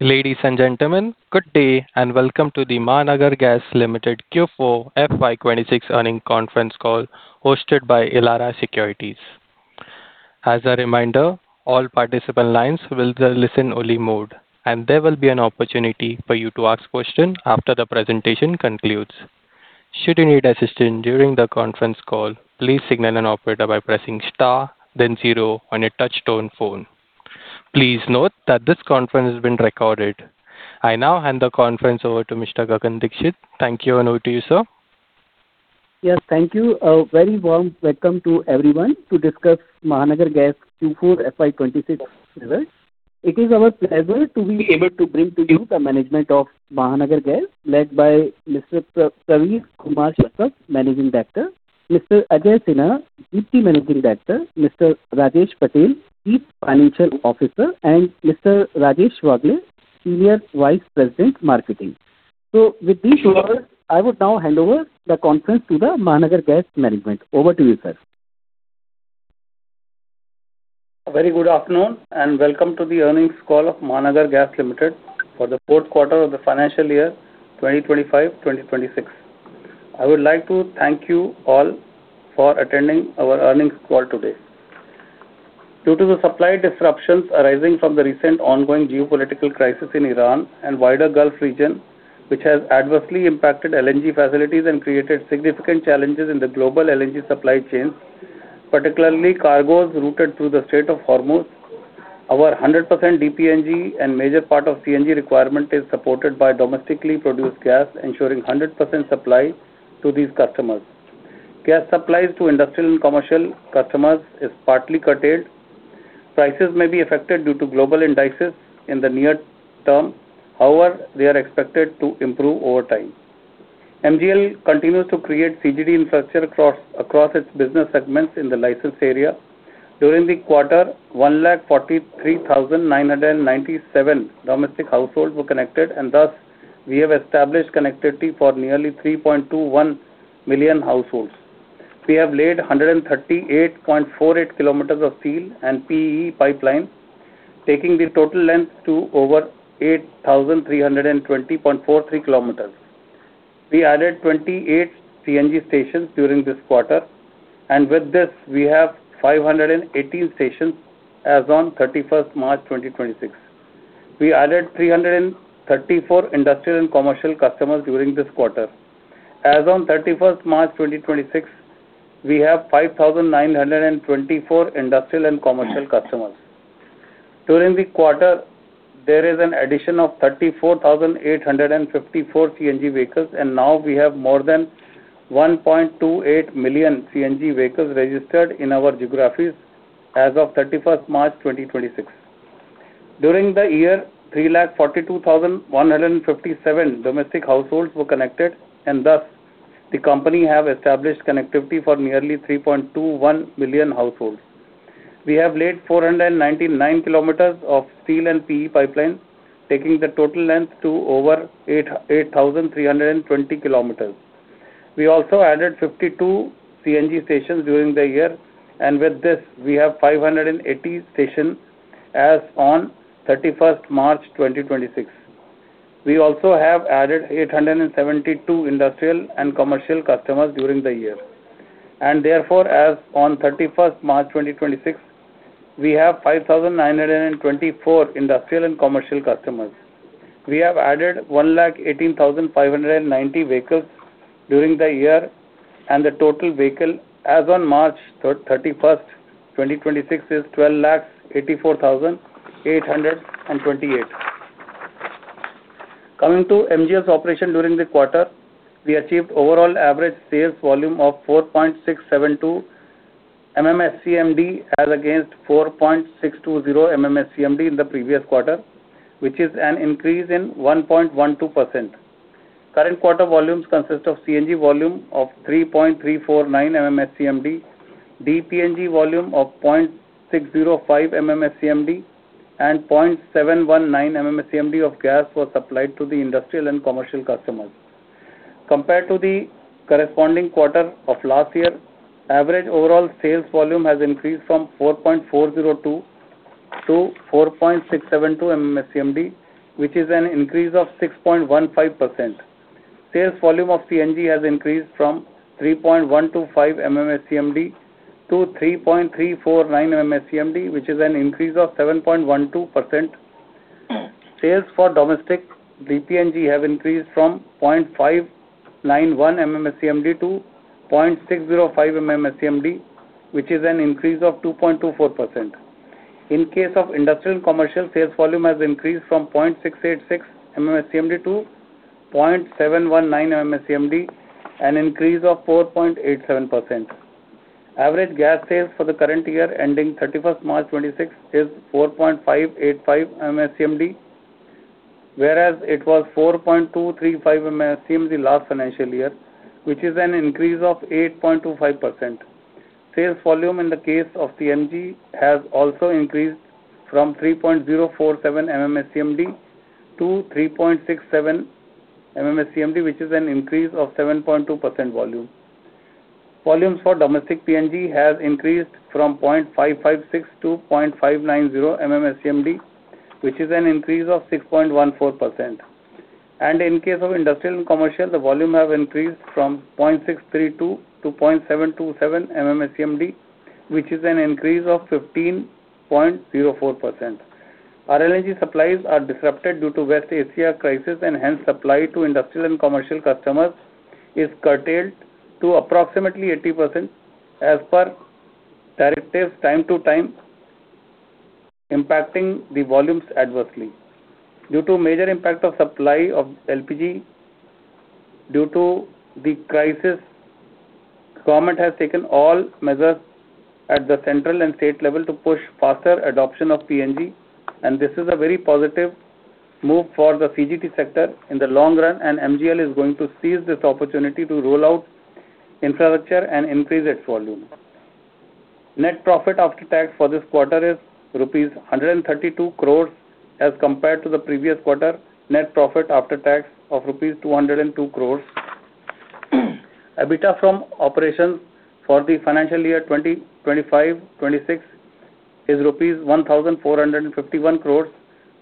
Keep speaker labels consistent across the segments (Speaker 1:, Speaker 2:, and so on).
Speaker 1: Ladies and gentlemen, good day, welcome to the Mahanagar Gas Limited Q4 FY 2026 earnings conference call hosted by Elara Securities. As a reminder, all participant lines will be in listen-only mode, and there will be an opportunity for you to ask questions after the presentation concludes. Should you need assistance during the conference call, please signal an operator by pressing star then zero on your touchtone phone. Please note that this conference has been recorded. I now hand the conference over to Mr. Gagan Dixit. Thank you, and over to you, sir.
Speaker 2: Yes, thank you. A very warm welcome to everyone to discuss Mahanagar Gas Q4 FY 2026 results. It is our pleasure to be able to bring to you the management of Mahanagar Gas, led by Mr. Praveer Kumar Srivastava, Managing Director, Mr. Ajay Sinha, Deputy Managing Director, Mr. Rajesh Patel, Chief Financial Officer, and Mr. Rajesh Wagle, Senior Vice President, Marketing. With this, I would now hand over the conference to the Mahanagar Gas management. Over to you, sir.
Speaker 3: Very good afternoon, welcome to the earnings call of Mahanagar Gas Limited for the fourth quarter of the financial year 2025, 2026. I would like to thank you all for attending our earnings call today. Due to the supply disruptions arising from the recent ongoing geopolitical crisis in Iran and wider Gulf region, which has adversely impacted LNG facilities and created significant challenges in the global LNG supply chains, particularly cargoes routed through the Strait of Hormuz, our 100% DPNG and major part of CNG requirement is supported by domestically produced gas, ensuring 100% supply to these customers. Gas supplies to industrial and commercial customers is partly curtailed. Prices may be affected due to global indices in the near term. They are expected to improve over time. MGL continues to create CGD infrastructure across its business segments in the license area. During the quarter, 143,997 domestic households were connected, and thus we have established connectivity for nearly 3.21 million households. We have laid 138.48 km of steel and PE pipeline, taking the total length to over 8,320.43 km. We added 28 CNG stations during this quarter, and with this we have 518 stations as on March 31, 2026. We added 334 industrial and commercial customers during this quarter. As on March 31, 2026, we have 5,924 industrial and commercial customers. During the quarter, there is an addition of 34,854 CNG vehicles, and now we have more than 1.28 million CNG vehicles registered in our geographies as of 31st March 2026. During the year, 342,157 domestic households were connected, and thus the company have established connectivity for nearly 3.21 million households. We have laid 499 km of steel and PE pipeline, taking the total length to over 8,320 km. We also added 52 CNG stations during the year, and with this we have 580 stations as on 31st March 2026. We also have added 872 industrial and commercial customers during the year. Therefore, as on March 31, 2026, we have 5,924 industrial and commercial customers. We have added 118,590 vehicles during the year, and the total vehicle as on March 31, 2026, is 1,284,828. Coming to MGL's operation during the quarter, we achieved overall average sales volume of 4.672 MMSCMD as against 4.620 MMSCMD in the previous quarter, which is an increase in 1.12%. Current quarter volumes consist of CNG volume of 3.349 MMSCMD, DPNG volume of 0.605 MMSCMD, and 0.719 MMSCMD of gas was supplied to the industrial and commercial customers. Compared to the corresponding quarter of last year, average overall sales volume has increased from 4.402 to 4.672 MMSCMD, which is an increase of 6.15%. Sales volume of CNG has increased from 3.125 MMSCMD to 3.349 MMSCMD, which is an increase of 7.12%. Sales for domestic DPNG have increased from 0.591 MMSCMD to 0.605 MMSCMD, which is an increase of 2.24%. In case of industrial and commercial, sales volume has increased from 0.686 MMSCMD to 0.719 MMSCMD, an increase of 4.87%. Average gas sales for the current year ending 31st March 2026 is 4.585 MMSCMD, whereas it was 4.235 MMSCMD last financial year, which is an increase of 8.25%. Sales volume in the case of CNG has also increased from 3.047 MMSCMD to 3.67 MMSCMD, which is an increase of 7.2% volume. Volumes for domestic PNG has increased from 0.556 to 0.590 MMSCMD, which is an increase of 6.14%. In case of industrial and commercial, the volume have increased from 0.632 to 0.727 MMSCMD, which is an increase of 15.04%. Our LNG supplies are disrupted due to West Asia crisis, and hence supply to industrial and commercial customers is curtailed to approximately 80% as per directives time to time, impacting the volumes adversely. Due to major impact of supply of LPG due to the crisis, government has taken all measures at the central and state level to push faster adoption of PNG, and this is a very positive move for the CGD sector in the long run, and MGL is going to seize this opportunity to roll out infrastructure and increase its volume. Net profit after tax for this quarter is rupees 132 crore as compared to the previous quarter net profit after tax of rupees 202 crore. EBITDA from operations for the FY 2025, 2026 is rupees 1,451 crore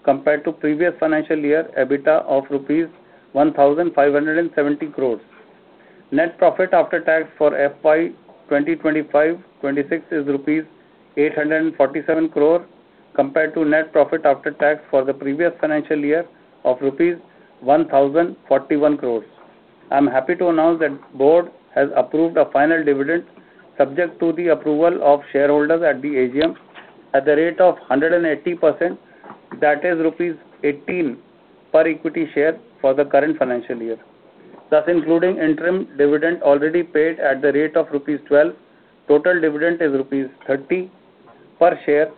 Speaker 3: compared to previous financial year EBITDA of rupees 1,570 crore. Net profit after tax for FY 2025, 2026 is rupees 847 crore compared to net profit after tax for the previous financial year of rupees 1,041 crore. I'm happy to announce that Board has approved a final dividend subject to the approval of shareholders at the AGM at the rate of 180%, that is rupees 18 per equity share for the current financial year. Including interim dividend already paid at the rate of rupees 12, total dividend is rupees 30 per share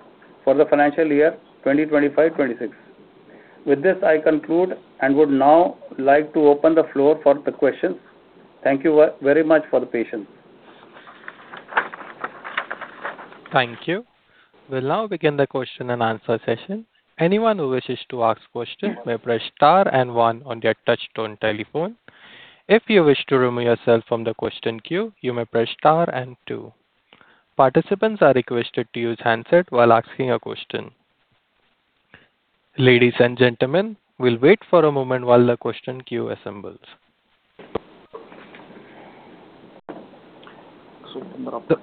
Speaker 3: for the FY 2025, 2026. With this, I conclude and would now like to open the floor for the questions. Thank you very much for the patience.
Speaker 1: Thank you. We'll now begin the question and answer session. Anyone who wishes to ask questions may press star and one on their touch tone telephone. If you wish to remove yourself from the question queue, you may press star and two. Participants are requested to use handset while asking a question. Ladies and gentlemen, we'll wait for a moment while the question queue assembles.
Speaker 3: So from the-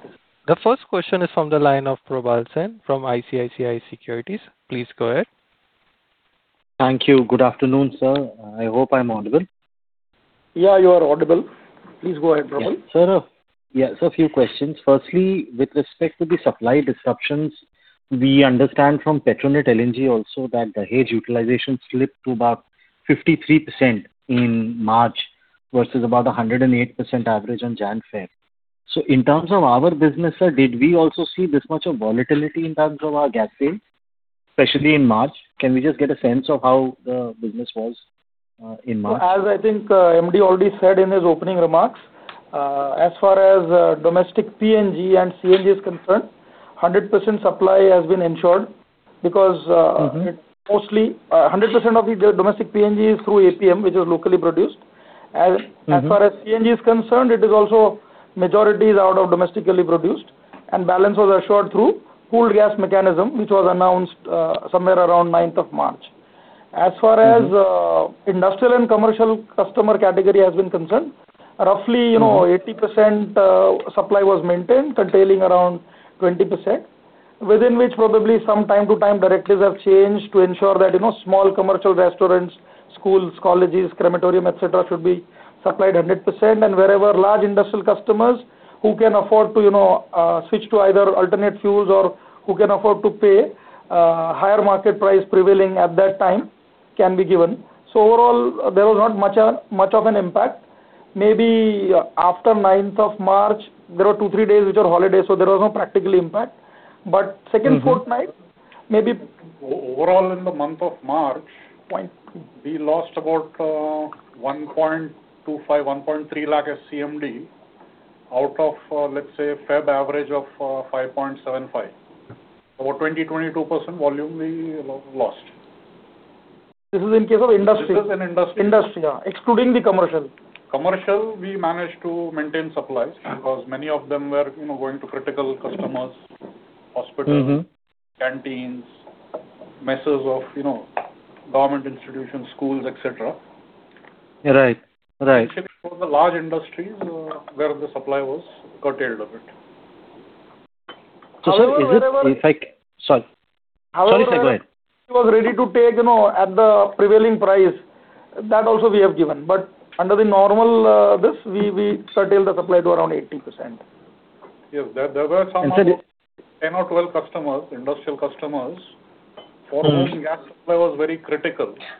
Speaker 1: The first question is from the line of Probal Sen from ICICI Securities. Please go ahead.
Speaker 4: Thank you. Good afternoon, sir. I hope I'm audible.
Speaker 3: Yeah, you are audible. Please go ahead, Probal.
Speaker 4: Yeah. Sir, yeah, a few questions. Firstly, with respect to the supply disruptions, we understand from Petronet LNG also that Dahej utilization slipped to about 53% in March versus about a 108% average on January, February. In terms of our business, sir, did we also see this much of volatility in terms of our gas sales, especially in March? Can we just get a sense of how the business was in March?
Speaker 5: As I think, MD already said in his opening remarks, as far as domestic PNG and CNG is concerned, 100% supply has been ensured because. it's mostly 100% of the domestic PNG is through APM, which is locally produced. As far as CNG is concerned, it is also majority is out of domestically produced, and balance was assured through pooled gas mechanism, which was announced, somewhere around 9th of March. Industrial and commercial customer category has been concerned, roughly, you know, 80% supply was maintained, curtailing around 20%, within which probably some time to time directives have changed to ensure that, you know, small commercial restaurants, schools, colleges, crematorium, et cetera, should be supplied 100%. Wherever large industrial customers who can afford to, you know, switch to either alternate fuels or who can afford to pay higher market price prevailing at that time can be given. Overall, there was not much of an impact. Maybe after 9th of March, there were two, three days which were holidays, so there was no practical impact. Second fortnight, maybe-
Speaker 6: Overall in the month of March, we lost about 1.25, 1.3 lakh SCMD out of let's say February average of 5.75. About 20%-22% volume we lost.
Speaker 3: This is in case of industry.
Speaker 6: This is in industry.
Speaker 3: Industry. Excluding the commercial.
Speaker 6: Commercial, we managed to maintain supplies because many of them were, you know, going to critical customers, hospitals. canteens, messes of, you know, government institutions, schools, et cetera.
Speaker 4: Right. Right.
Speaker 6: Initially it was the large industries, where the supply was curtailed a bit.
Speaker 3: However, wherever-
Speaker 4: Sir. Sorry.
Speaker 5: However-
Speaker 4: Sorry, sir. Go ahead
Speaker 5: was ready to take, you know, at the prevailing price, that also we have given. Under the normal, this, we curtail the supply to around 80%.
Speaker 6: Yes.
Speaker 4: And sir-
Speaker 6: 10 or 12 customers, industrial customers. for whom gas supply was very critical.
Speaker 4: Okay.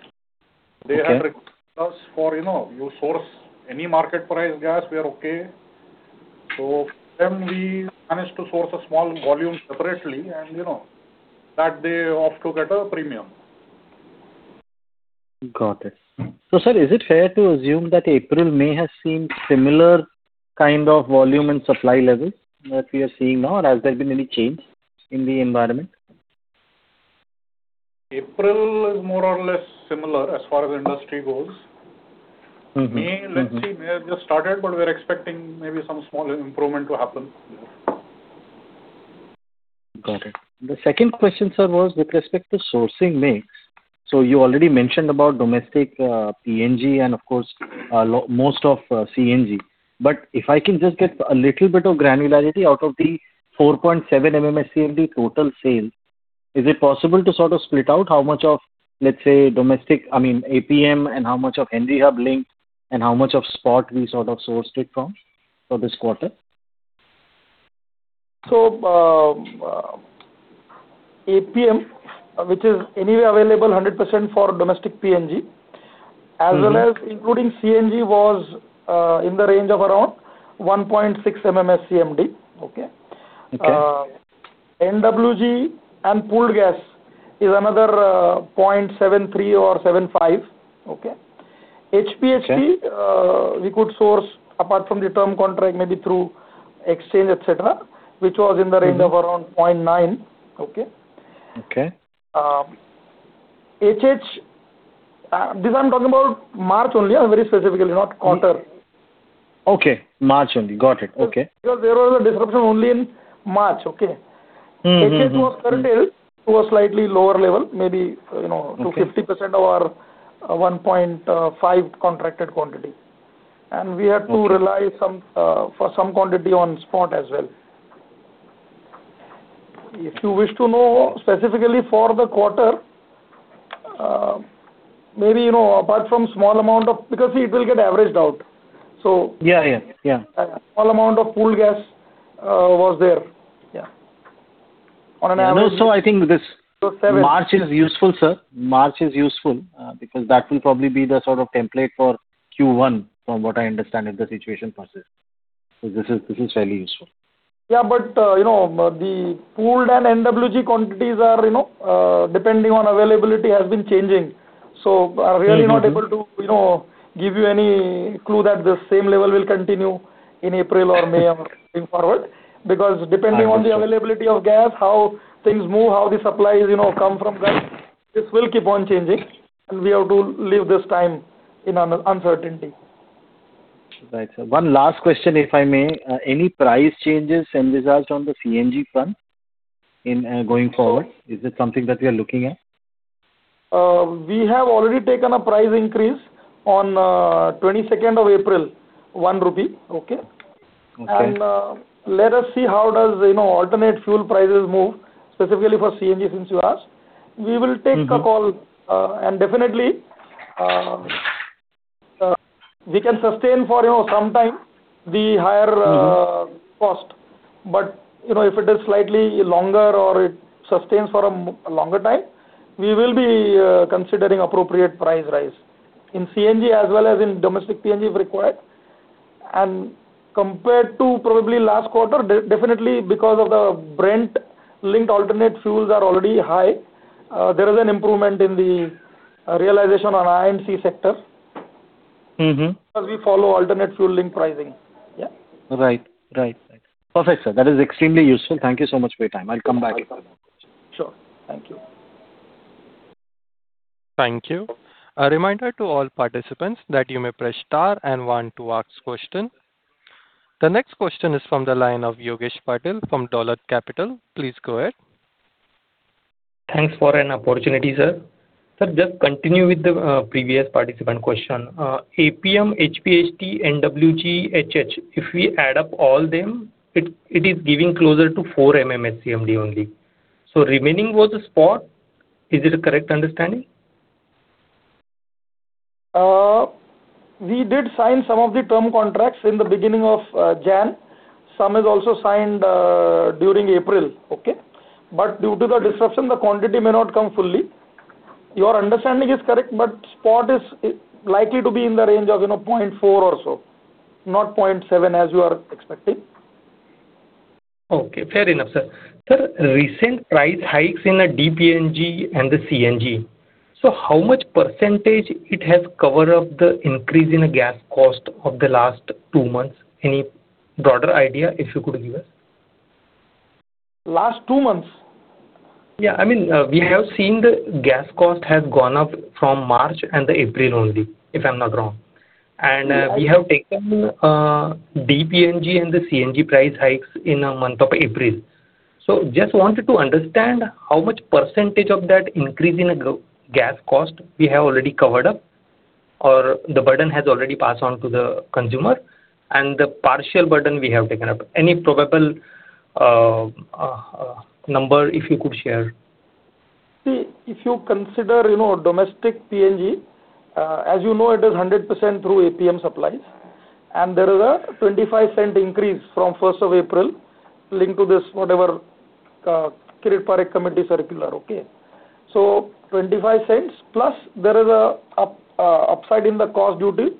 Speaker 6: They had requested us for, you know, "You source any market price gas, we are okay." For them we managed to source a small volume separately and, you know, that they off took at a premium.
Speaker 4: Got it. Sir, is it fair to assume that April, May has seen similar kind of volume and supply levels that we are seeing now, or has there been any change in the environment?
Speaker 6: April is more or less similar as far as industry goes.
Speaker 4: Mm-hmm. Mm-hmm.
Speaker 6: May, let's see. May have just started, but we're expecting maybe some small improvement to happen. Yeah.
Speaker 4: Got it. The second question, sir, was with respect to sourcing mix. You already mentioned about domestic PNG and of course, most of CNG. If I can just get a little bit of granularity out of the 4.7 MMSCMD total sales, is it possible to sort of split out how much of, let's say domestic, I mean, APM and how much of Henry Hub link and how much of spot we sort of sourced it from for this quarter?
Speaker 5: APM, which is anyway available 100% for domestic PNG. as well as including CNG was, in the range of around 1.6 MMSCMD. Okay?
Speaker 4: Okay.
Speaker 5: NWG and pooled gas is another 0.73 or 0.75. Okay? HPHT.
Speaker 4: Okay
Speaker 5: We could source apart from the term contract, maybe through exchange, et cetera, which was in the range. of around 0.9. Okay?
Speaker 4: Okay.
Speaker 5: HH, this I'm talking about March only, very specifically, not quarter.
Speaker 4: Okay. March only. Got it. Okay.
Speaker 5: There was a disruption only in March, okay?
Speaker 4: Mm. Mm. Mm.
Speaker 5: HH was curtailed to a slightly lower level.
Speaker 4: Okay
Speaker 5: to 50% of our 1.5 contracted quantity.
Speaker 4: Okay
Speaker 5: rely some for some quantity on spot as well. If you wish to know specifically for the quarter, maybe, you know. See, it will get averaged out.
Speaker 4: Yeah, yeah. Yeah
Speaker 5: small amount of pooled gas was there. Yeah.
Speaker 4: No, I think.
Speaker 5: So seven-
Speaker 4: March is useful, sir. March is useful because that will probably be the sort of template for Q1, from what I understand, if the situation persists. This is fairly useful.
Speaker 5: Yeah, you know, the pooled and NWG quantities are, you know, depending on availability, has been changing. not able to, you know, give you any clue that the same level will continue in April or May or going forward.
Speaker 4: I see.
Speaker 5: The availability of gas, how things move, how the supplies, you know, come from them, this will keep on changing, and we have to live this time in uncertainty.
Speaker 4: Right, sir. One last question, if I may. Any price changes envisaged on the CNG front in, going forward?
Speaker 5: Sorry.
Speaker 4: Is it something that we are looking at?
Speaker 5: We have already taken a price increase on 22nd of April, 1 rupee. Okay?
Speaker 4: Okay.
Speaker 5: Let us see how does, you know, alternate fuel prices move, specifically for CNG, since you asked. the call, definitely, we can sustain for, you know, some time. cost. You know, if it is slightly longer or it sustains for a longer time, we will be considering appropriate price rise in CNG as well as in domestic PNG, if required. Compared to probably last quarter, definitely because of the Brent linked alternate fuels are already high, there is an improvement in the realization on I&C sector. Because we follow alternate fuel link pricing. Yeah.
Speaker 4: Right. Right. Perfect, sir. That is extremely useful. Thank you so much for your time. I'll come back if I have more questions.
Speaker 5: Sure.
Speaker 4: Thank you.
Speaker 1: Thank you. A reminder to all participants that you may press star and one to ask question. The next question is from the line of Yogesh Patil from Dolat Capital. Please go ahead.
Speaker 7: Thanks for an opportunity, sir. Sir, just continue with the previous participant question. APM, HPHT, NWG, HH, if we add up all them, it is giving closer to 4 MMSCMD only. Remaining was the spot. Is it a correct understanding?
Speaker 5: We did sign some of the term contracts in the beginning of January. Some is also signed during April. Okay? Due to the disruption, the quantity may not come fully. Your understanding is correct, but spot is likely to be in the range of, you know, 0.4 or so, not 0.7 as you are expecting.
Speaker 7: Okay. Fair enough, sir. Sir, recent price hikes in a DPNG and the CNG, how much % it has covered up the increase in gas cost of the last two months? Any broader idea, if you could give us?
Speaker 5: Last two months?
Speaker 7: I mean, we have seen the gas cost has gone up from March and the April only, if I'm not wrong. We have taken DPNG and the CNG price hikes in month of April. Just wanted to understand how much percentage of that increase in gas cost we have already covered up or the burden has already passed on to the consumer and the partial burden we have taken up. Any probable number if you could share?
Speaker 5: See, if you consider, you know, domestic PNG, as you know, it is 100% through APM supplies. There is a 0.25 increase from 1st of April linked to this, whatever, Kirit Parikh committee circular. Okay. 0.25, plus there is upside in the cost due to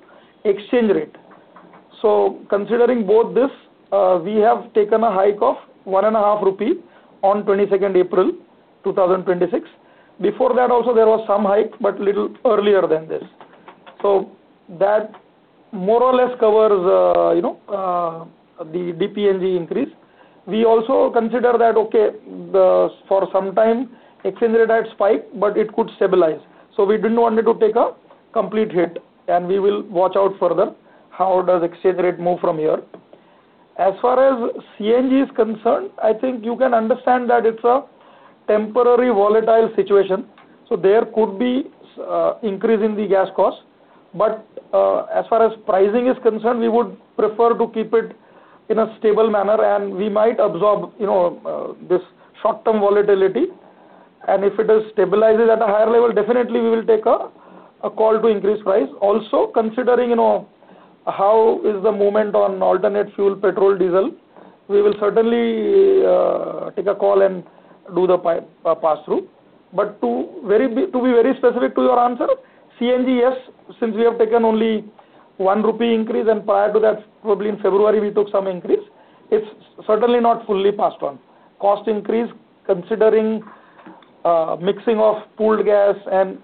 Speaker 5: exchange rate. Considering both this, we have taken a hike of 1.5 rupee on 22nd April, 2026. Before that also there was some hike, but little earlier than this. So that more or less covers, you know, the DPNG increase. We also consider that, okay, the for some time exchange rate had spiked, but it could stabilize. We didn't wanted to take a complete hit, and we will watch out further how does exchange rate move from here. As far as CNG is concerned, I think you can understand that it's a temporary volatile situation, there could be increase in the gas cost. As far as pricing is concerned, we would prefer to keep it in a stable manner, and we might absorb, you know, this short-term volatility. If it is stabilizes at a higher level, definitely we will take a call to increase price. Also considering, you know, how is the movement on alternate fuel, petrol, diesel, we will certainly take a call and do the pass-through. To be very specific to your answer, CNG, yes, since we have taken only 1 rupee increase, and prior to that probably in February we took some increase, it's certainly not fully passed on. Cost increase considering mixing of pooled gas and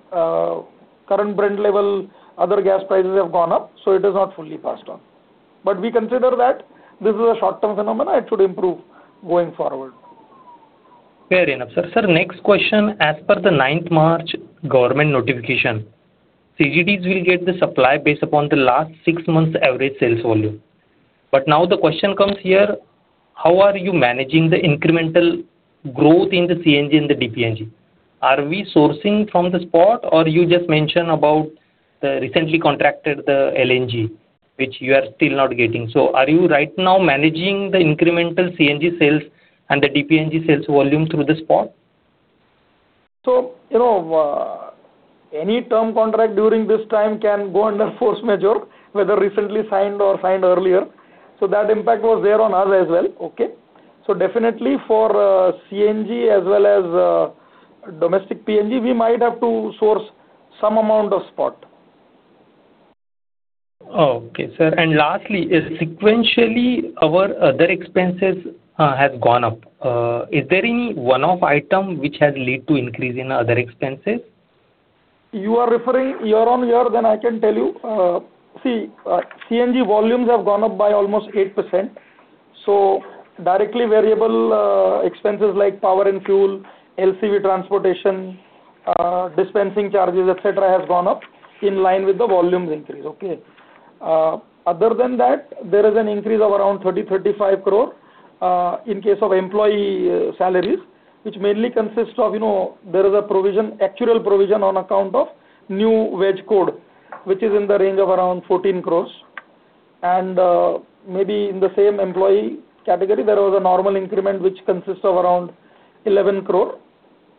Speaker 5: current Brent level, other gas prices have gone up, so it is not fully passed on. We consider that this is a short-term phenomenon. It should improve going forward.
Speaker 7: Fair enough, sir. Sir, next question. As per the 9th March government notification, CGDs will get the supply based upon the last six months average sales volume. Now the question comes here, how are you managing the incremental growth in the CNG and the DPNG? Are we sourcing from the spot or you just mentioned about the recently contracted the LNG, which you are still not getting? Are you right now managing the incremental CNG sales and the DPNG sales volume through the spot?
Speaker 5: You know, any term contract during this time can go under force majeure, whether recently signed or signed earlier. That impact was there on us as well. Okay? Definitely for CNG as well as domestic PNG, we might have to source some amount of spot.
Speaker 7: Oh, okay, sir. Lastly, sequentially our other expenses has gone up. Is there any one-off item which has led to increase in other expenses?
Speaker 5: You are referring year-over-year, I can tell you. CNG volumes have gone up by almost 8%, directly variable expenses like power and fuel, LCV transportation, dispensing charges, et cetera, have gone up in line with the volumes increase. Okay. Other than that, there is an increase of around 30 crore-35 crore in case of employee salaries, which mainly consists of, you know, there is a provision, actual provision on account of new wage code, which is in the range of around 14 crore. Maybe in the same employee category there was a normal increment which consists of around 11 crore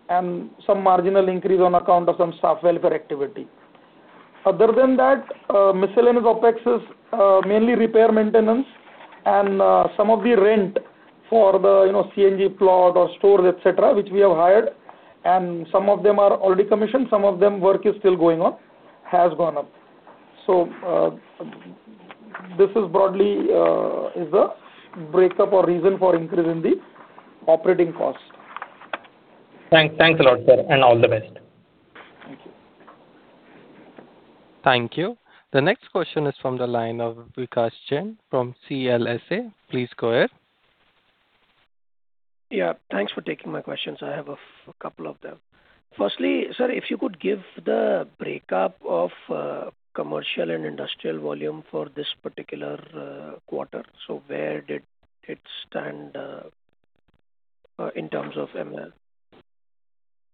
Speaker 5: and some marginal increase on account of some staff welfare activity. Other than that, miscellaneous OPEX is mainly repair, maintenance and some of the rent for the, you know, CNG plot or stores et cetera, which we have hired, and some of them are already commissioned, some of them work is still going on, has gone up. This is broadly is the breakup or reason for increase in the operating cost.
Speaker 7: Thanks. Thanks a lot, sir, and all the best.
Speaker 5: Thank you.
Speaker 1: Thank you. The next question is from the line of Vikash Kumar Jain from CLSA. Please go ahead.
Speaker 8: Yeah, thanks for taking my questions. I have a couple of them. Firstly, sir, if you could give the breakup of commercial and industrial volume for this particular quarter. Where did it stand in terms of ML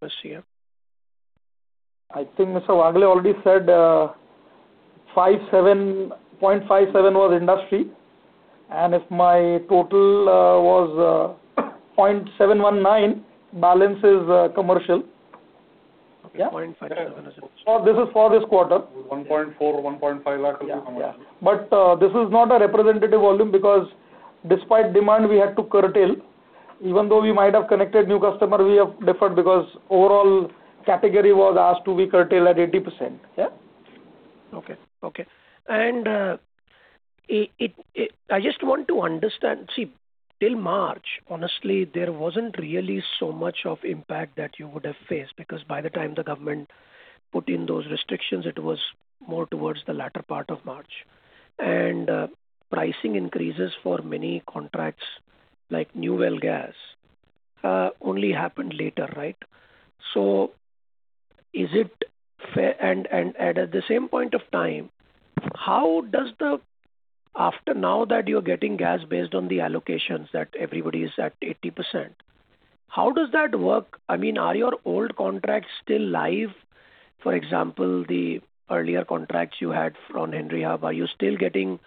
Speaker 8: this year?
Speaker 5: I think Mr. Wagle already said 0.57 was industry. If my total was 0.719, balance is commercial. Yeah.
Speaker 8: Okay. 0.57.
Speaker 5: This is for this quarter.
Speaker 6: 1.4 lakh, 1.5 lakh will be commercial.
Speaker 5: Yeah. This is not a representative volume because despite demand we had to curtail. Even though we might have connected new customer, we have deferred because overall category was asked to be curtailed at 80%. Yeah.
Speaker 8: Okay. Okay. I just want to understand. See, till March, honestly, there wasn't really so much of impact that you would have faced, because by the time the government put in those restrictions, it was more towards the latter part of March. Pricing increases for many contracts like New Well Gas, only happened later, right? Is it fair? At the same point of time, how does the After now that you're getting gas based on the allocations that everybody is at 80%, how does that work? I mean, are your old contracts still live? For example, the earlier contracts you had from Eni, are you still getting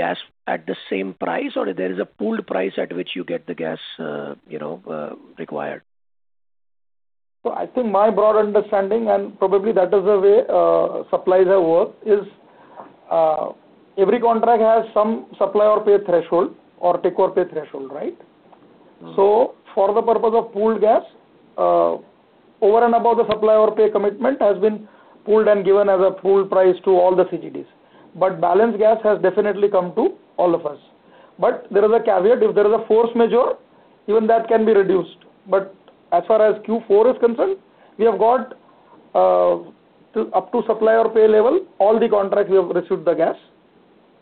Speaker 8: gas at the same price, or there is a pooled price at which you get the gas, you know, required?
Speaker 5: I think my broad understanding, and probably that is the way, suppliers have worked, is, every contract has some supply or pay threshold or take-or-pay threshold, right? For the purpose of pooled gas, over and above the supply or pay commitment has been pooled and given as a pool price to all the CGDs. Balance gas has definitely come to all of us. There is a caveat. If there is a force majeure. Even that can be reduced. As far as Q4 is concerned, we have got till up to supply-or-pay level, all the contract we have received the gas.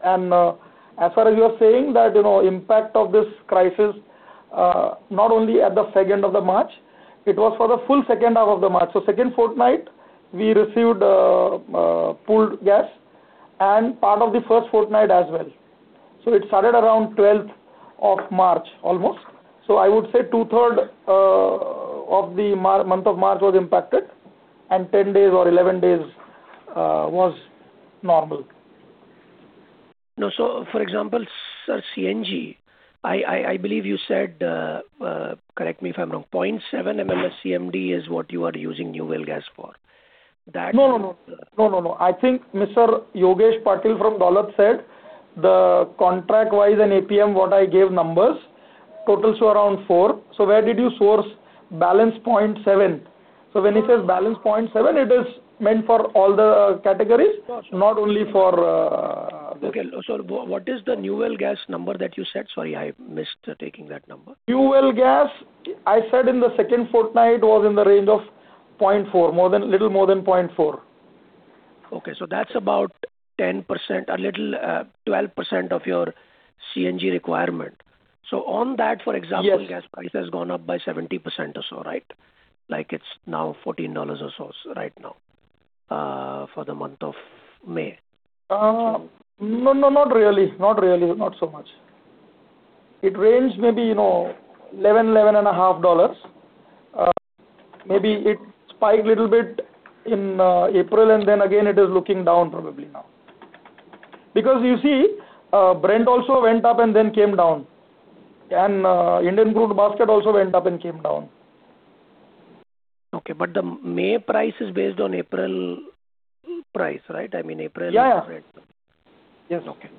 Speaker 5: As far as you are saying that, you know, impact of this crisis, not only at the 2nd of March, it was for the full second half of the March. Second fortnight we received full gas and part of the first fortnight as well. It started around 12th of March almost. I would say two-third of the month of March was impacted, and 10 days or 11 days was normal.
Speaker 8: No. For example, sir, CNG, I believe you said, correct me if I'm wrong, 0.7 MMSCMD is what you are using new well gas for.
Speaker 5: No, no. No, no. I think Mr. Yogesh Patil from Dolat said the contract-wise and APM, what I gave numbers, totals to around 4. Where did you source balance 0.7? When he says balance 0.7, it is meant for all the categories-
Speaker 8: Sure, sure.
Speaker 5: not only for
Speaker 8: What is the new well gas number that you said? Sorry, I missed taking that number.
Speaker 5: New well gas, I said in the second fortnight was in the range of 0.4, more than, little more than 0.4.
Speaker 8: Okay. That's about 10%, a little, 12% of your CNG requirement.
Speaker 5: Yes
Speaker 8: gas price has gone up by 70% or so, right? Like, it's now $14 or so, right now, for the month of May.
Speaker 5: No, no, not really. Not really, not so much. It ranged maybe, you know, $11, $11.5. Maybe it spiked a little bit in April, and then again it is looking down probably now. You see, Brent also went up and then came down, and Indian crude basket also went up and came down.
Speaker 8: Okay. The May price is based on April price, right? I mean.
Speaker 5: Yeah. Yes.
Speaker 8: Okay.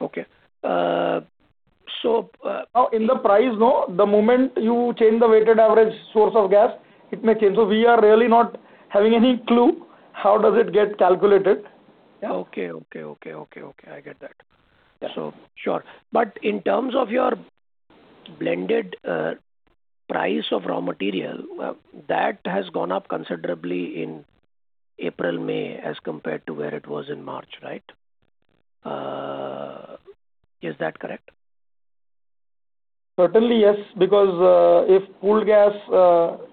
Speaker 8: Okay.
Speaker 5: No. In the price, no. The moment you change the weighted average source of gas, it may change. We are really not having any clue how does it get calculated.
Speaker 8: Yeah. Okay. Okay. Okay. Okay. Okay. I get that.
Speaker 5: Yeah.
Speaker 8: Sure. In terms of your blended price of raw material, that has gone up considerably in April/May as compared to where it was in March, right? Is that correct?
Speaker 5: Certainly, yes. If pool gas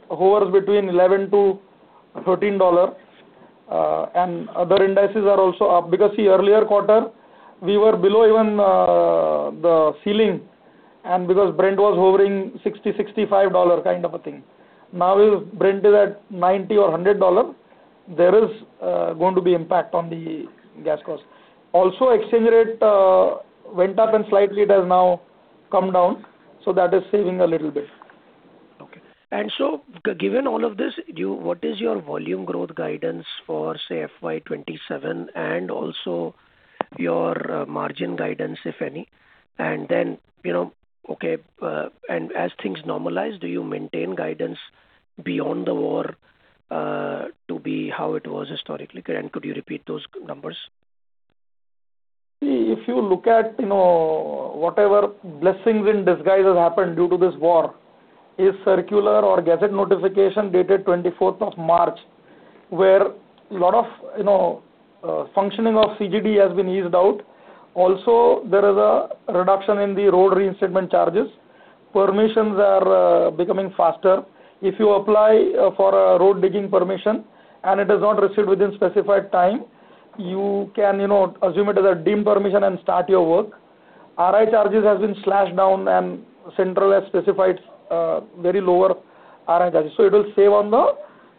Speaker 5: hovers between $11-$13, and other indices are also up. The earlier quarter we were below even the ceiling, and Brent was hovering $60-$65 kind of a thing. Now if Brent is at $90 or $100, there is going to be impact on the gas cost. Also exchange rate went up and slightly it has now come down, so that is saving a little bit.
Speaker 8: Okay. Given all of this, what is your volume growth guidance for, say, FY 2027 and also your margin guidance, if any? Okay. As things normalize, do you maintain guidance beyond the war to be how it was historically? Could you repeat those numbers?
Speaker 5: If you look at, you know, whatever blessings in disguise has happened due to this war, is circular or gazette notification dated 24th of March, where lot of, you know, functioning of CGD has been eased out. Also there is a reduction in the road reinstatement charges. Permissions are becoming faster. If you apply for a road digging permission and it is not received within specified time, you can, you know, assume it as a deemed permission and start your work. RI charges has been slashed down, and central has specified very lower RI charges. It will save on the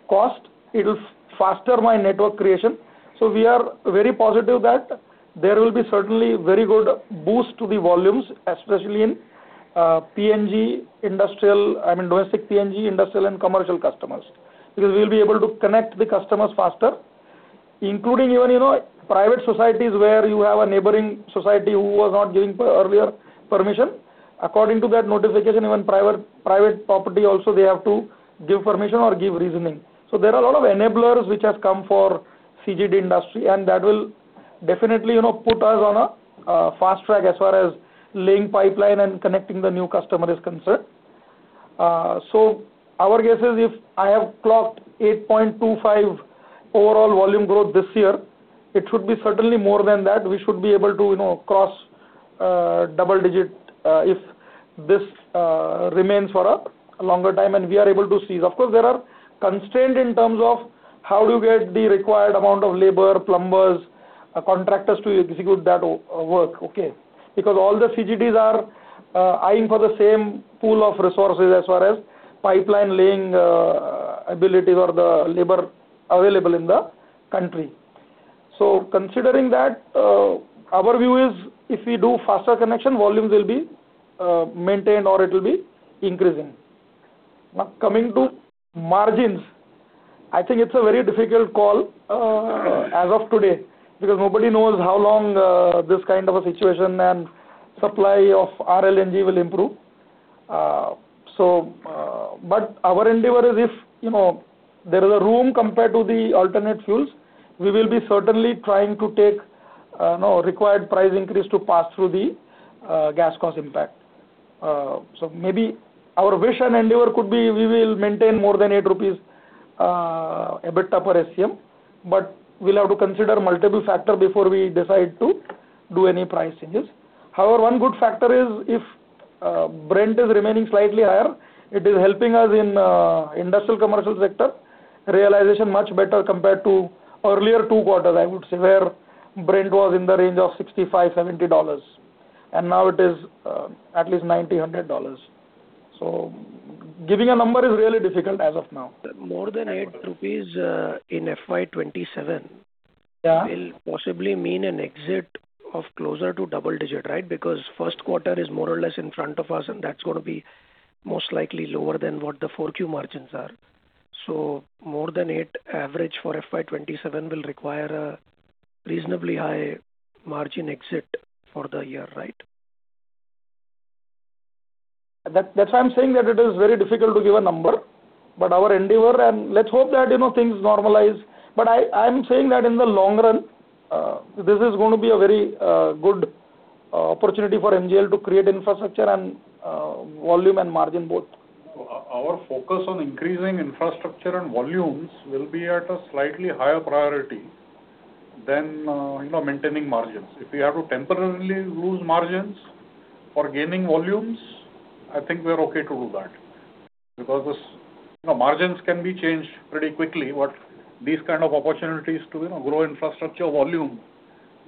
Speaker 5: cost. It will faster my network creation. We are very positive that there will be certainly very good boost to the volumes, especially in PNG industrial, I mean, domestic PNG industrial and commercial customers. We'll be able to connect the customers faster, including even, you know, private societies where you have a neighboring society who was not giving earlier permission. According to that notification, even private property also they have to give permission or give reasoning. There are a lot of enablers which have come for CGD industry, and that will definitely, you know, put us on a fast track as far as laying pipeline and connecting the new customer is concerned. Our guess is if I have clocked 8.25 overall volume growth this year, it should be certainly more than that. We should be able to, you know, cross double-digit if this remains for a longer time and we are able to seize. Of course, there are constraints in terms of how do you get the required amount of labor, plumbers, contractors to execute that work, okay. Because all the CGDs are eyeing for the same pool of resources as far as pipeline laying, abilities or the labor available in the country. Considering that, our view is if we do faster connection, volumes will be maintained or it will be increasing. Now coming to margins, I think it's a very difficult call as of today, because nobody knows how long this kind of a situation and supply of RLNG will improve. Our endeavor is if, you know, there is a room compared to the alternate fuels, we will be certainly trying to take the required price increase to pass through the gas cost impact. Maybe our vision and endeavor could be we will maintain more than 8 rupees, a bit upper SCM, we'll have to consider multiple factor before we decide to do any price changes. However, one good factor is if Brent is remaining slightly higher, it is helping us in industrial commercial sector realization much better compared to earlier two quarters, I would say, where Brent was in the range of $65-$70, now it is at least $90-$100. Giving a number is really difficult as of now.
Speaker 8: More than 8 rupees in FY 2027.
Speaker 5: Yeah.
Speaker 8: will possibly mean an exit of closer to double-digit, right? First quarter is more or less in front of us, and that's going to be most likely lower than what the 4Q margins are. More than 8 average for FY 2027 will require a reasonably high margin exit for the year, right?
Speaker 5: That's why I'm saying that it is very difficult to give a number. Our endeavor and let's hope that, you know, things normalize. I am saying that in the long run, this is gonna be a very good opportunity for MGL to create infrastructure and volume and margin both.
Speaker 6: Our focus on increasing infrastructure and volumes will be at a slightly higher priority than, you know, maintaining margins. If we have to temporarily lose margins for gaining volumes, I think we're okay to do that because this, you know, margins can be changed pretty quickly. These kind of opportunities to, you know, grow infrastructure volume,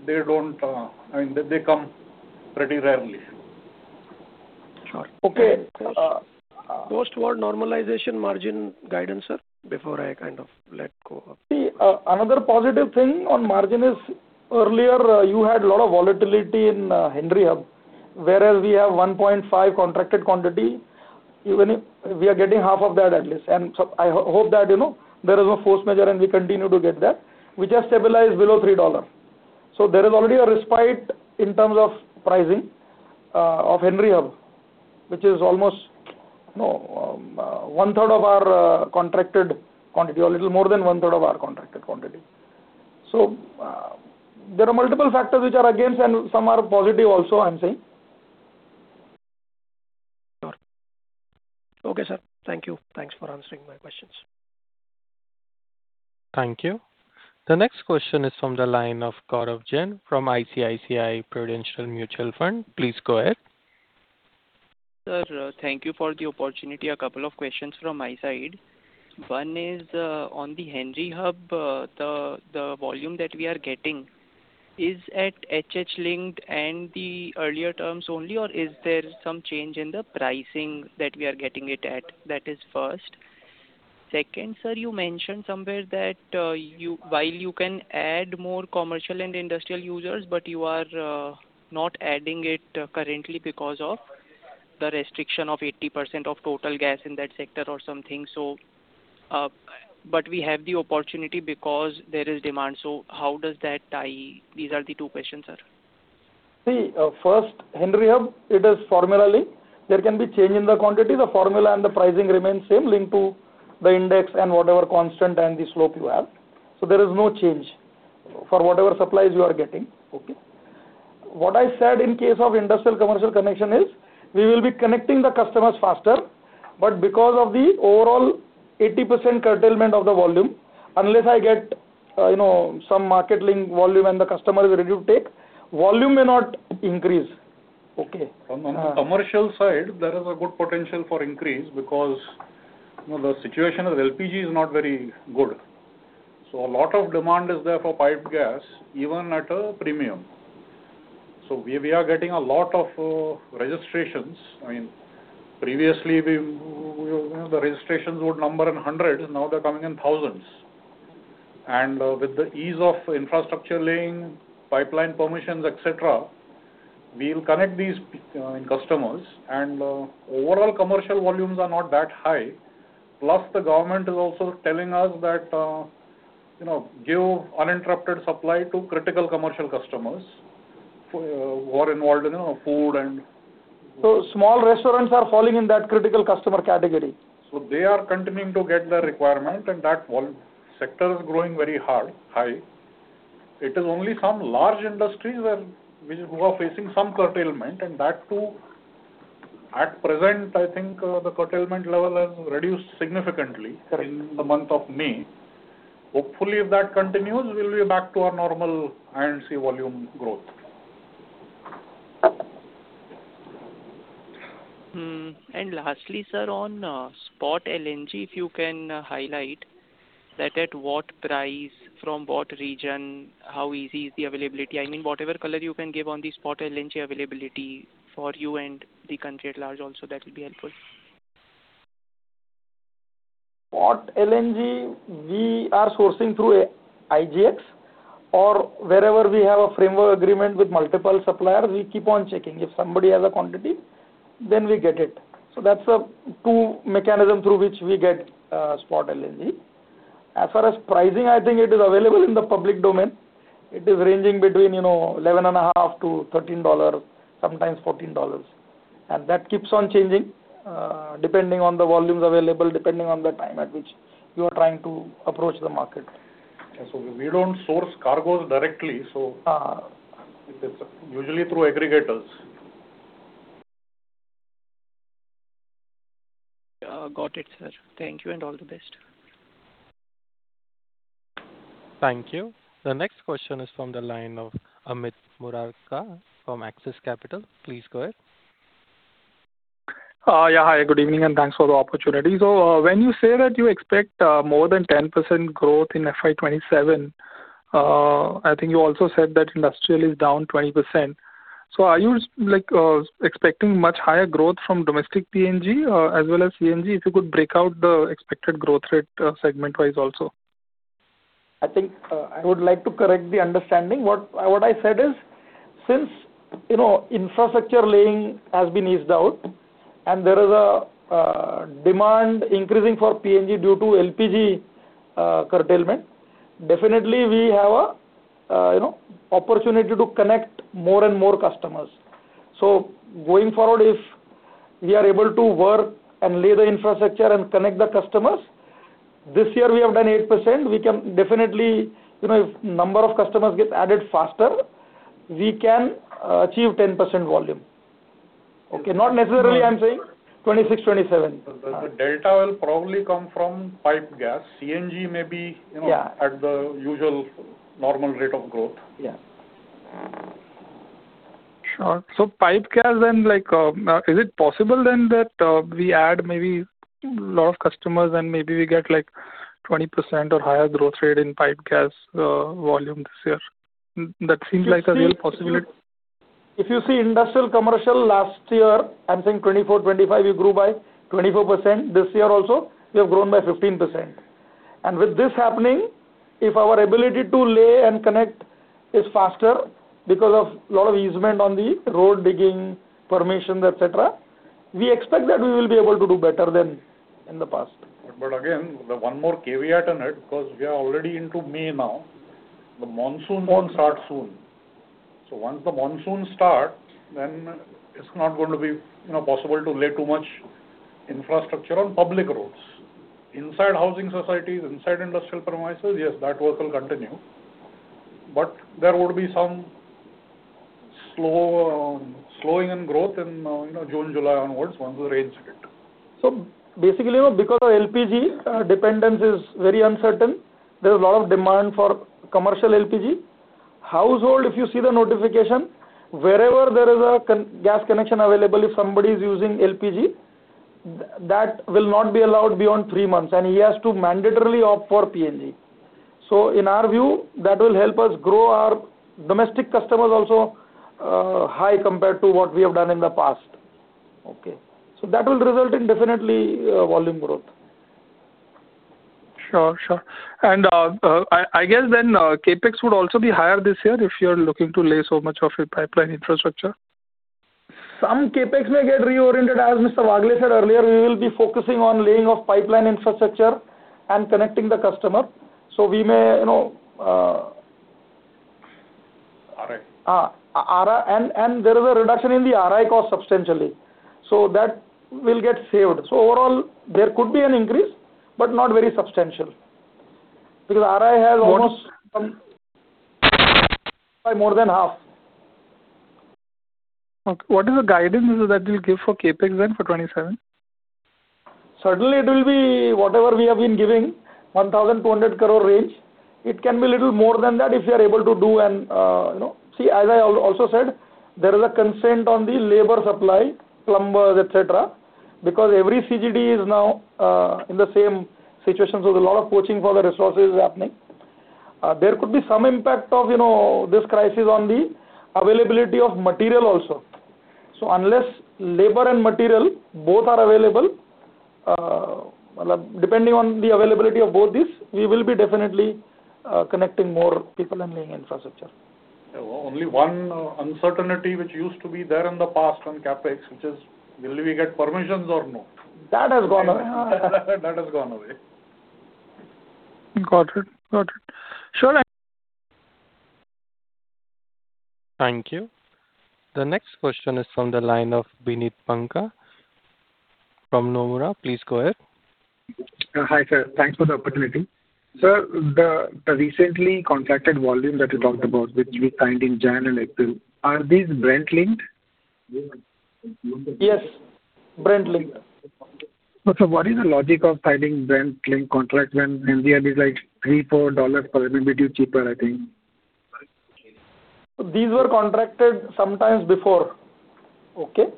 Speaker 6: they don't, I mean, they come pretty rarely.
Speaker 8: Sure. Okay. Post war normalization margin guidance, sir.
Speaker 5: See, another positive thing on margin is earlier, you had a lot of volatility in Henry Hub, whereas we have 1.5 contracted quantity, even if we are getting half of that at least. I hope that, you know, there is no force majeure, and we continue to get that, which has stabilized below 3 dollars. There is already a respite in terms of pricing of Henry Hub, which is almost, you know, 1/3 of our contracted quantity or a little more than 1/3 of our contracted quantity. There are multiple factors which are against and some are positive also, I'm saying.
Speaker 8: Sure. Okay, sir. Thank you. Thanks for answering my questions.
Speaker 1: Thank you. The next question is from the line of Gaurav Jain from ICICI Prudential Mutual Fund. Please go ahead.
Speaker 9: Sir, thank you for the opportunity. A couple of questions from my side. One is on the Henry Hub. The volume that we are getting is at HH linked and the earlier terms only, or is there some change in the pricing that we are getting it at? That is first. Second, sir, you mentioned somewhere that while you can add more commercial and industrial users, but you are not adding it currently because of the restriction of 80% of total gas in that sector or something. But we have the opportunity because there is demand. How does that tie? These are the two questions, sir.
Speaker 5: First Henry Hub, it is formula. There can be change in the quantity. The formula and the pricing remains same linked to the index and whatever constant and the slope you have. There is no change for whatever supplies you are getting. Okay. What I said in case of industrial commercial connection is we will be connecting the customers faster, but because of the overall 80% curtailment of the volume, unless I get, you know, some market link volume and the customer is ready to take, volume may not increase.
Speaker 9: Okay.
Speaker 6: On the commercial side, there is a good potential for increase because, you know, the situation of LPG is not very good. A lot of demand is there for piped gas, even at a premium. We are getting a lot of registrations. I mean, previously we, you know, the registrations would number in hundreds. Now they're coming in thousands. With the ease of infrastructure laying, pipeline permissions, et cetera, we'll connect these customers. Overall commercial volumes are not that high. The government is also telling us that, you know, give uninterrupted supply to critical commercial customers who are involved in, you know, food and-
Speaker 5: Small restaurants are falling in that critical customer category.
Speaker 6: They are continuing to get their requirement, and that sector is growing very hard, high. It is only some large industries who are facing some curtailment, and that too, at present, I think, the curtailment level has reduced significantly.
Speaker 5: Correct.
Speaker 6: In the month of May. Hopefully, if that continues, we'll be back to our normal I&C volume growth.
Speaker 9: Lastly, sir, on spot LNG, if you can highlight that at what price, from what region, how easy is the availability? I mean, whatever color you can give on the spot LNG availability for you and the country at large also, that will be helpful.
Speaker 5: Spot LNG, we are sourcing through IGX or wherever we have a framework agreement with multiple suppliers, we keep on checking. If somebody has a quantity, we get it. That's the two mechanism through which we get spot LNG. As far as pricing, I think it is available in the public domain. It is ranging between, you know, $11.5-$13, sometimes $14. That keeps on changing depending on the volumes available, depending on the time at which you are trying to approach the market.
Speaker 6: Yeah. We don't source cargoes directly. It is usually through aggregators.
Speaker 9: Got it, sir. Thank you and all the best.
Speaker 1: Thank you. The next question is from the line of Amit Murarka from Axis Capital. Please go ahead.
Speaker 10: Yeah. Hi, good evening, and thanks for the opportunity. When you say that you expect more than 10% growth in FY 2027, I think you also said that industrial is down 20%. Are you, like, expecting much higher growth from domestic PNG as well as CNG? If you could break out the expected growth rate, segment wise also.
Speaker 5: I think, I would like to correct the understanding. What, what I said is, since, you know, infrastructure laying has been eased out and there is a demand increasing for PNG due to LPG curtailment, definitely we have a, you know, opportunity to connect more and more customers. Going forward, if we are able to work and lay the infrastructure and connect the customers, this year we have done 8%, we can definitely You know, if number of customers get added faster, we can achieve 10% volume. Okay. Not necessarily, I'm saying 2026, 2027.
Speaker 6: The delta will probably come from pipe gas.
Speaker 5: Yeah.
Speaker 6: At the usual normal rate of growth.
Speaker 5: Yeah.
Speaker 10: Sure. pipe gas and, like, is it possible then that we add maybe lot of customers and maybe we get, like, 20% or higher growth rate in pipe gas volume this year? That seems like a real possibility.
Speaker 5: If you see Industrial Commercial last year, I am saying 2024, 2025, we grew by 24%. This year also we have grown by 15%. With this happening, if our ability to lay and connect is faster because of lot of easement on the road digging permissions, et cetera, we expect that we will be able to do better than in the past.
Speaker 6: Again, the one more caveat in it, because we are already into May now, the monsoon will start soon. Once the monsoon starts, then it's not going to be, you know, possible to lay too much infrastructure on public roads. Inside housing societies, inside industrial premises, yes, that work will continue. There would be some slow slowing in growth in, you know, June, July onwards once the rains hit.
Speaker 5: Basically, you know, because of LPG dependence is very uncertain. There is a lot of demand for commercial LPG. Household, if you see the notification, wherever there is a gas connection available, if somebody is using LPG, that will not be allowed beyond 3 months, and he has to mandatorily opt for PNG. In our view, that will help us grow our domestic customers also, high compared to what we have done in the past. Okay. That will result in definitely volume growth.
Speaker 10: Sure. I guess then CapEx would also be higher this year if you're looking to lay so much of your pipeline infrastructure.
Speaker 5: Some CapEx may get reoriented. As Mr. Wagle said earlier, we will be focusing on laying of pipeline infrastructure and connecting the customer.
Speaker 6: RI.
Speaker 5: RI. There is a reduction in the RI cost substantially, so that will get saved. Overall there could be an increase, but not very substantial, because RI has almost by more than half.
Speaker 10: Okay. What is the guidance that you'll give for CapEx then for 2027?
Speaker 5: Certainly it will be whatever we have been giving, 1,200 crore range. It can be little more than that if we are able to do. You know See, as I also said, there is a constraint on the labor supply, plumbers, et cetera, because every CGD is now in the same situation. There's a lot of poaching for the resources happening. There could be some impact of, you know, this crisis on the availability of material also. Unless labor and material both are available, depending on the availability of both these, we will be definitely connecting more people and laying infrastructure.
Speaker 6: Only one uncertainty which used to be there in the past on CapEx, which is will we get permissions or not?
Speaker 5: That has gone away.
Speaker 6: That has gone away.
Speaker 10: Got it. Got it. Sure.
Speaker 1: Thank you. The next question is from the line of Bineet Banka from Nomura. Please go ahead.
Speaker 11: Hi, sir. Thanks for the opportunity. Sir, the recently contracted volume that you talked about, which we signed in January and April, are these Brent linked?
Speaker 5: Yes, Brent linked.
Speaker 11: What is the logic of signing Brent linked contract when Henry Hub is, like, $3-$4 per MMBTU cheaper, I think?
Speaker 5: These were contracted sometimes before. Okay?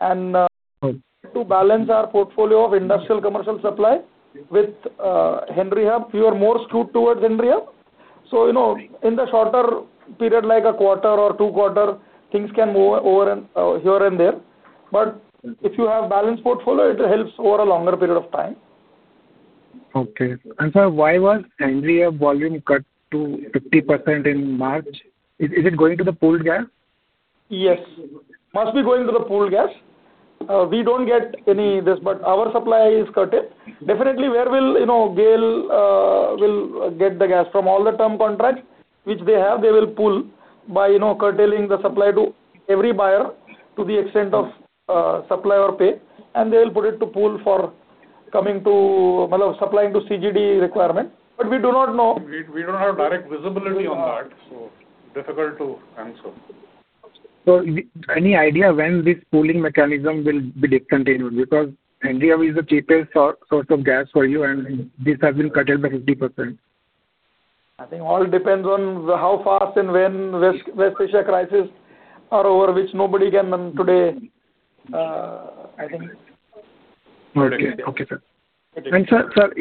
Speaker 11: Right.
Speaker 5: -to balance our portfolio of industrial commercial supply with Henry Hub, we are more skewed towards Henry Hub. You know, in the shorter period, like one quarter or two quarters, things can move over and here and there. If you have balanced portfolio, it helps over a longer period of time.
Speaker 11: Okay. sir, why was Henry Hub volume cut to 50% in March? Is it going to the pooled gas?
Speaker 5: Yes. Must be going to the pooled gas. We don't get any this, our supply is cutted. Definitely, where will, you know, GAIL will get the gas? From all the term contracts which they have, they will pool by, you know, curtailing the supply to every buyer to the extent of supply-or-pay, and they'll put it to pool for supplying to CGD requirement. We do not know.
Speaker 6: We don't have direct visibility on that. Difficult to answer.
Speaker 5: Okay.
Speaker 11: Any idea when this pooling mechanism will be discontinued? India is the cheapest source of gas for you, and this has been curtailed by 50%.
Speaker 5: I think all depends on how fast and when West Asia crisis are over, which nobody can know today.
Speaker 11: Okay, sir. Sir,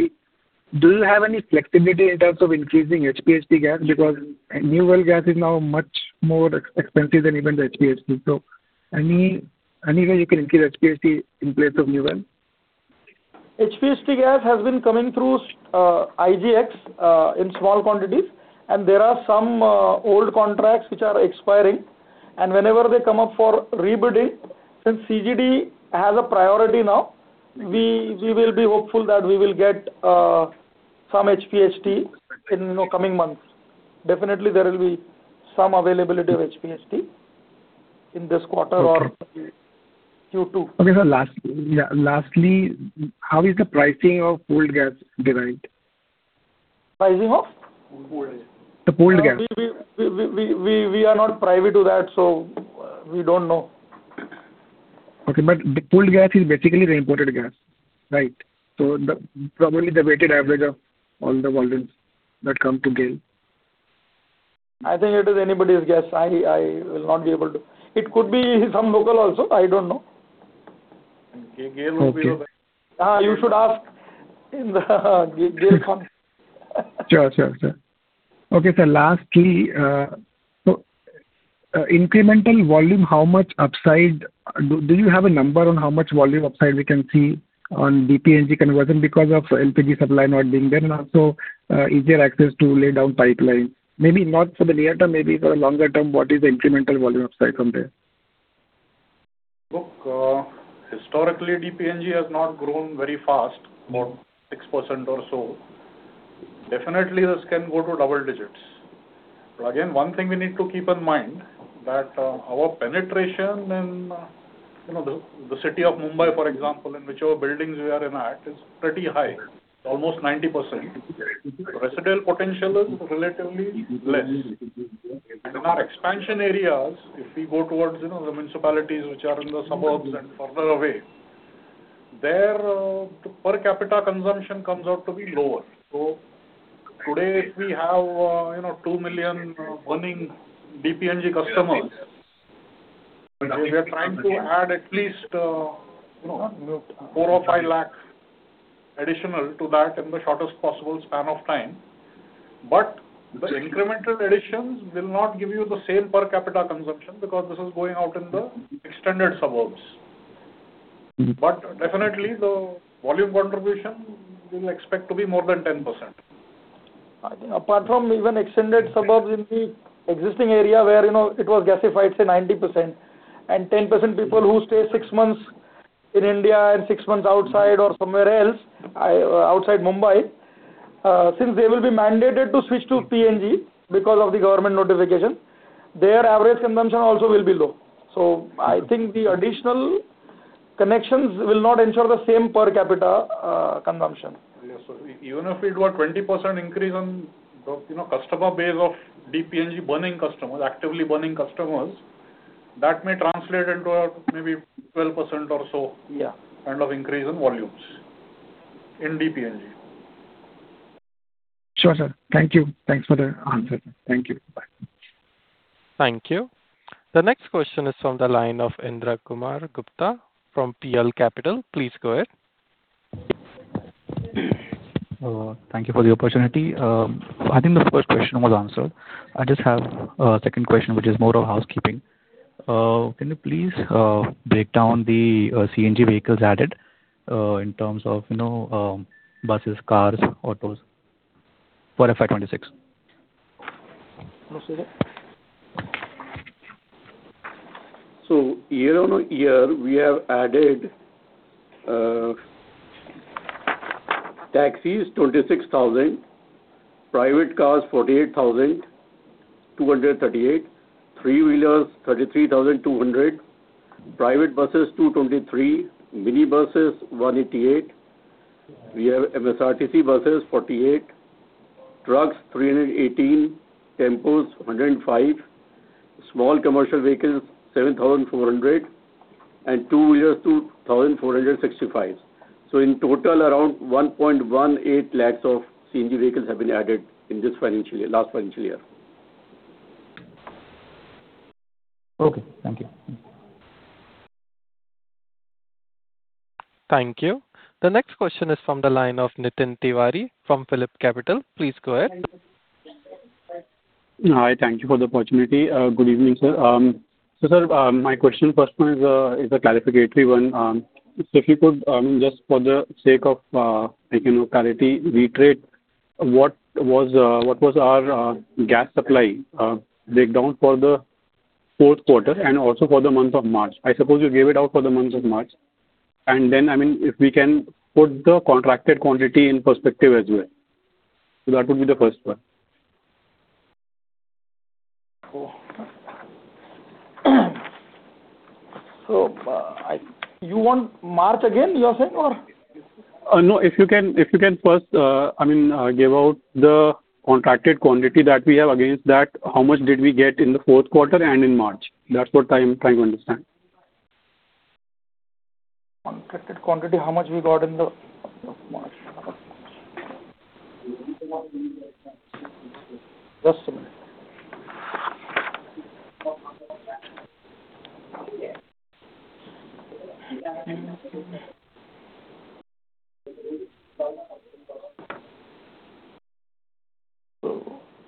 Speaker 11: do you have any flexibility in terms of increasing HPHT gas? Because new well gas is now much more expensive than even the HPHT. Any way you can increase HPHT in place of new well?
Speaker 5: HPHT gas has been coming through IGX in small quantities, and there are some old contracts which are expiring. Whenever they come up for rebidding, since CGD has a priority now, we will be hopeful that we will get some HPHT in, you know, coming months. Definitely, there will be some availability of HPHT in this quarter or Q2.
Speaker 11: Okay, sir. Yeah, lastly, how is the pricing of pooled gas derived?
Speaker 5: Pricing of?
Speaker 6: Pool.
Speaker 11: The pooled gas.
Speaker 5: We are not privy to that, we don't know.
Speaker 11: Okay. But the pooled gas is basically the imported gas, right? Probably the weighted average of all the volumes that come to GAIL.
Speaker 5: I think it is anybody's guess. I will not be able to. It could be some local also, I don't know.
Speaker 6: GAIL would be your best-
Speaker 11: Okay.
Speaker 5: You should ask in the GAIL conference.
Speaker 11: Sure. Okay, sir. Lastly, incremental volume, how much upside do you have a number on how much volume upside we can see on DPNG conversion because of LPG supply not being there, and also, easier access to lay down pipeline? Maybe not for the near term, maybe for a longer term, what is the incremental volume upside from there?
Speaker 6: Look, historically DPNG has not grown very fast, about 6% or so. Definitely this can go to double digits. Again, one thing we need to keep in mind that, our penetration in, you know, the city of Mumbai, for example, in whichever buildings we are in at, is pretty high, almost 90%. Residential potential is relatively less. In our expansion areas, if we go towards, you know, the municipalities which are in the suburbs and further away, their per capita consumption comes out to be lower. Today, if we have, you know, 2 million burning DPNG customers, we are trying to add at least, you know, 4 or 5 lakh additional to that in the shortest possible span of time. The incremental additions will not give you the same per capita consumption because this is going out in the extended suburbs. Definitely the volume contribution we will expect to be more than 10%.
Speaker 5: I think apart from even extended suburbs in the existing area where, you know, it was gasified, say 90%, and 10% people who stay six months in India and six months outside or somewhere else, outside Mumbai, since they will be mandated to switch to PNG because of the government notification, their average consumption also will be low. I think the additional connections will not ensure the same per capita consumption.
Speaker 6: Yes, even if we do a 20% increase on the, you know, customer base of DPNG burning customers, actively burning customers, that may translate into a maybe 12% or so.
Speaker 5: Yeah.
Speaker 6: kind of increase in volumes in DPNG.
Speaker 11: Sure, sir. Thank you. Thanks for the answer. Thank you. Bye.
Speaker 1: Thank you. The next question is from the line of Indra Kumar Gupta from PL Capital. Please go ahead.
Speaker 12: Thank you for the opportunity. I think the first question was answered. I just have a second question, which is more of housekeeping. Can you please break down the CNG vehicles added in terms of, you know, buses, cars, autos for FY 2026?
Speaker 5: Yes, sure.
Speaker 6: Year on year, we have added, taxis 26,000, private cars 48,238, three-wheelers 33,200, private buses 223, minibuses 188. We have MSRTC buses 48, trucks 318, tempos 105, small commercial vehicles 7,400, and two-wheelers 2,465. In total, around 1.18 lakhs of CNG vehicles have been added in this financial year, last financial year.
Speaker 12: Okay. Thank you.
Speaker 1: Thank you. The next question is from the line of Nitin Tiwari from PhillipCapital. Please go ahead.
Speaker 13: Hi. Thank you for the opportunity. Good evening, sir. Sir, my question first one is a clarificatory one. If you could, just for the sake of clarity, reiterate what was our gas supply breakdown for the fourth quarter and also for the month of March. I suppose you gave it out for the month of March. If we can put the contracted quantity in perspective as well. That would be the first one.
Speaker 5: You want March again, you are saying, or?
Speaker 13: No, if you can first, I mean, give out the contracted quantity that we have against that, how much did we get in the fourth quarter and in March? That is what I am trying to understand.
Speaker 5: Contracted quantity, how much we got in the, in March? Just a minute.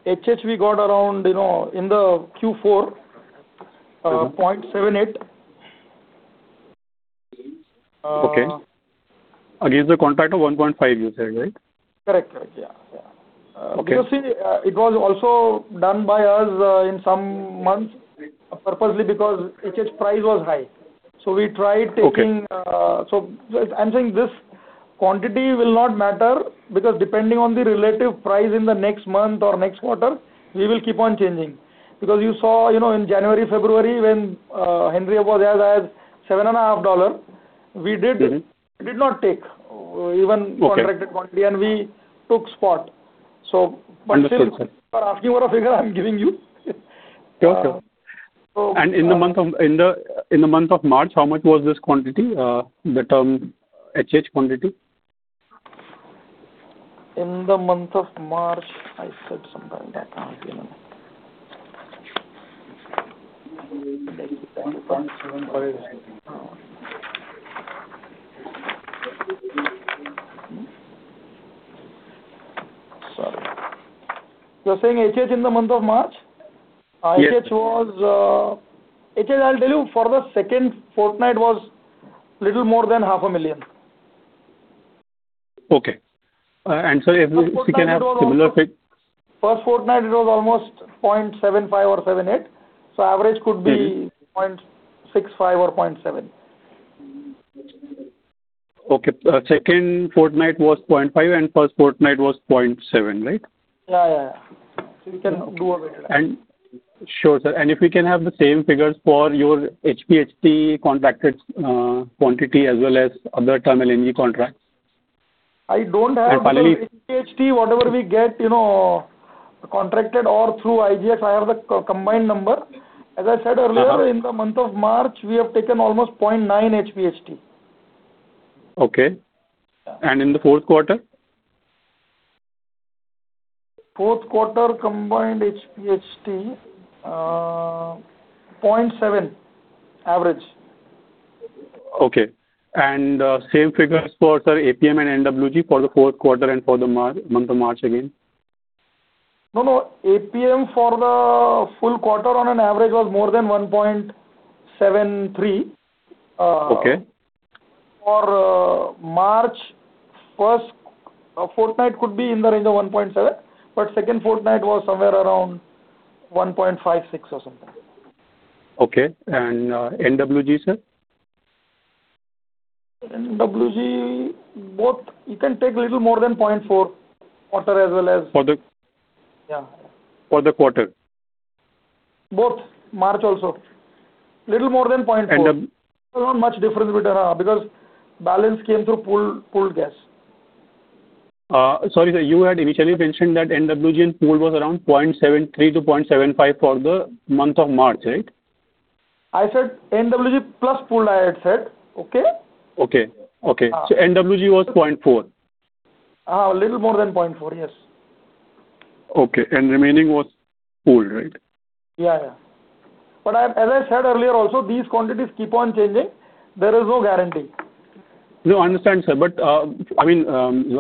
Speaker 5: HH we got around, you know, in the Q4, 0.78.
Speaker 13: Okay. Against the contract of 1.5 you said, right?
Speaker 5: Correct, correct. Yeah. Yeah.
Speaker 13: Okay.
Speaker 5: You see, it was also done by us, in some months purposely because HH price was high. We tried taking.
Speaker 13: Okay.
Speaker 5: I'm saying this quantity will not matter because depending on the relative price in the next month or next quarter, we will keep on changing. Because you saw, you know, in January, February, when Henry Hub was as high as $7.5, we did- We did not take.
Speaker 13: Okay.
Speaker 5: -contracted quantity, and we took spot.
Speaker 13: Understood, sir.
Speaker 5: Still, you are asking for a figure, I'm giving you.
Speaker 13: Sure, sure.
Speaker 5: So-
Speaker 13: In the month of March, how much was this quantity? The term HH quantity.
Speaker 5: In the month of March, I said something that, you know. Sorry. You're saying HH in the month of March?
Speaker 13: Yes.
Speaker 5: HH I'll tell you for the second fortnight was little more than 500,000.
Speaker 13: Okay.
Speaker 5: First fortnight it was almost.
Speaker 13: We can have similar.
Speaker 5: First fortnight it was almost 0.75 or 0.78. 0.65 or 0.7.
Speaker 13: Okay. Second fortnight was 0.5, first fortnight was 0.7, right?
Speaker 5: Yeah, yeah. You can do a weighted average.
Speaker 13: Sure, sir. If we can have the same figures for your HPHT contracted quantity as well as other terminal LNG contracts.
Speaker 5: I don't have-
Speaker 13: And finally-
Speaker 5: The HPHT. Whatever we get, you know, contracted or through IGX, I have the co-combined number. As I said earlier.
Speaker 13: Yeah.
Speaker 5: In the month of March, we have taken almost 0.9 HPHT.
Speaker 13: Okay.
Speaker 5: Yeah.
Speaker 13: In the fourth quarter?
Speaker 5: Fourth quarter combined HPHT 0.7 average.
Speaker 13: Okay. Same figures for, sir, APM and NWG for the fourth quarter and for the month of March again.
Speaker 5: No, no. APM for the full quarter on an average was more than 1.73.
Speaker 13: Okay.
Speaker 5: For March, first fortnight could be in the range of 1.7, but second fortnight was somewhere around 1.56 or something.
Speaker 13: Okay. NWG, sir?
Speaker 5: NWG, both you can take little more than 0.4, quarter.
Speaker 13: For the-
Speaker 5: Yeah, yeah.
Speaker 13: For the quarter.
Speaker 5: Both. March also. Little more than 0.4.
Speaker 13: And the-
Speaker 5: There was not much difference with RLNG because balance came through pooled gas.
Speaker 13: Sorry, sir. You had initially mentioned that NWG and pooled was around 0.73 to 0.75 for the month of March, right?
Speaker 5: I said NWG plus pooled, I had said. Okay?
Speaker 13: Okay. Okay. NWG was 0.4.
Speaker 5: Little more than 0.4. Yes.
Speaker 13: Okay. remaining was pooled, right?
Speaker 5: Yeah, yeah. As I said earlier also, these quantities keep on changing. There is no guarantee.
Speaker 13: No, I understand, sir. I mean,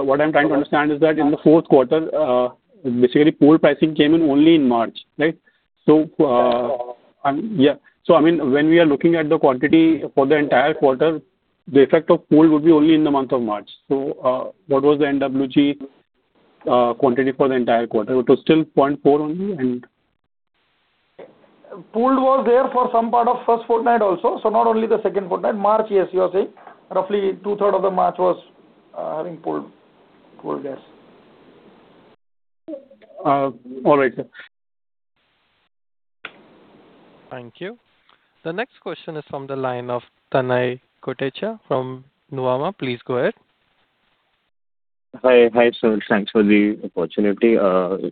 Speaker 13: what I'm trying to understand is that in the fourth quarter, basically pooled pricing came in only in March, right?
Speaker 5: That's all.
Speaker 13: Yeah. I mean, when we are looking at the quantity for the entire quarter, the effect of pooled would be only in the month of March. What was the NWG quantity for the entire quarter? It was still 0.4 only.
Speaker 5: pooled was there for some part of first fortnight also. Not only the second fortnight. March, yes, you are saying. Roughly two third of the March was having pooled gas.
Speaker 13: All right, sir.
Speaker 1: Thank you. The next question is from the line of Tanay Kotecha from Nuvama. Please go ahead.
Speaker 14: Hi. Hi, sir. Thanks for the opportunity. There's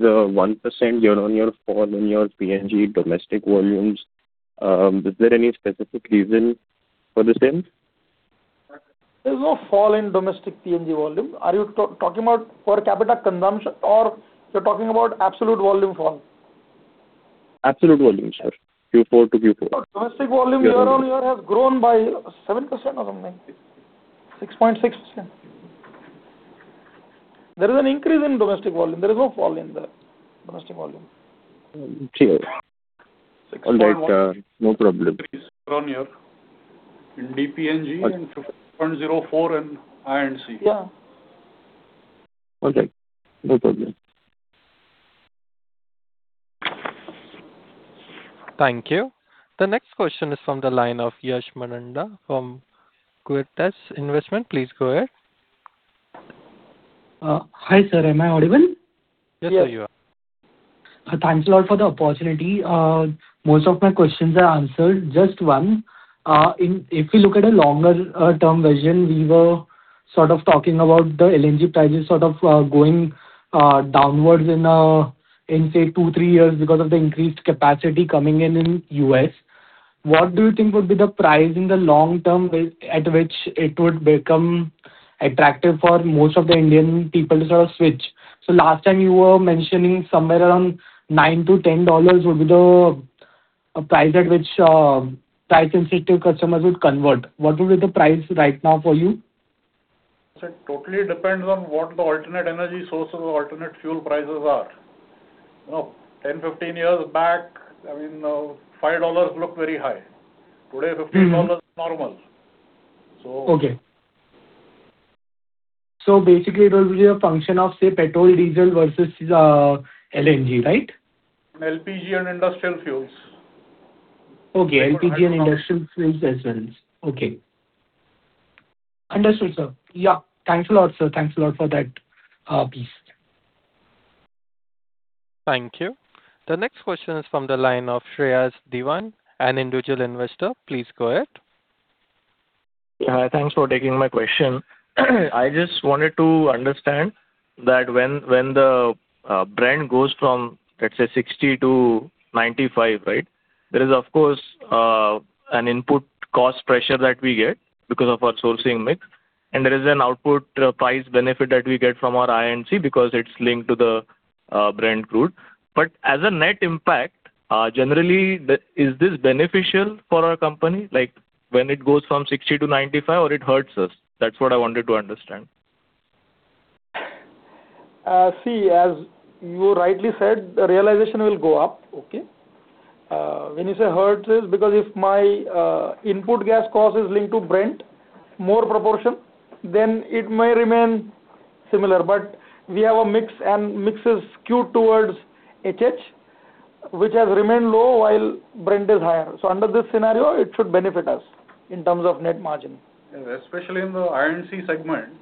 Speaker 14: a 1% year-on-year fall in your PNG domestic volumes. Is there any specific reason for the same?
Speaker 5: There's no fall in domestic PNG volume. Are you talking about per capita consumption or you're talking about absolute volume fall?
Speaker 14: Absolute volume, sir. Q4 to Q4.
Speaker 5: Domestic volume year on year.
Speaker 14: Yes.
Speaker 5: has grown by 7% or something. 6.6%. There is an increase in domestic volume. There is no fall in the domestic volume.
Speaker 14: Okay.
Speaker 5: 6.1
Speaker 14: All right, no problem.
Speaker 5: Year on year. In DPNG and 2.04 in I&C. Yeah.
Speaker 14: Okay. No problem. Thank you. The next question is from the line of Yash Mandhana from Equirus Securities. Please go ahead.
Speaker 15: Hi, sir. Am I audible?
Speaker 1: Yes, you are.
Speaker 15: Thanks a lot for the opportunity. Most of my questions are answered. Just 1. If we look at a longer term vision, we were sort of talking about the LNG prices sort of going downwards in two, three years because of the increased capacity coming in in U.S. What do you think would be the price in the long term at which it would become attractive for most of the Indian people to sort of switch? Last time you were mentioning somewhere around $9-$10 would be the price at which price-sensitive customers would convert. What would be the price right now for you?
Speaker 6: Sir, it totally depends on what the alternate energy sources or alternate fuel prices are. You know, 10, 15 years back, I mean, $5 looked very high. Today $15 is normal.
Speaker 15: Okay. Basically it will be a function of, say, petrol, diesel versus LNG, right?
Speaker 6: LPG and industrial fuels.
Speaker 15: Okay. LPG and industrial fuels as well. Okay. Understood, sir. Yeah. Thanks a lot, sir. Thanks a lot for that piece.
Speaker 1: Thank you. The next question is from the line of Shreyas Dewan, an individual investor. Please go ahead.
Speaker 16: Yeah. Thanks for taking my question. I just wanted to understand that when the Brent goes from, let's say, $60-$95, right? There is of course an input cost pressure that we get because of our sourcing mix, and there is an output price benefit that we get from our I&C because it's linked to the Brent crude. As a net impact, generally, is this beneficial for our company? Like when it goes from $60-$95, or it hurts us? That's what I wanted to understand.
Speaker 5: See, as you rightly said, the realization will go up. Okay? When you say hurts is because if my input gas cost is linked to Brent more proportion, then it may remain similar. We have a mix, and mix is skewed towards HH, which has remained low while Brent is higher. Under this scenario, it should benefit us in terms of net margin.
Speaker 6: Especially in the I&C segment,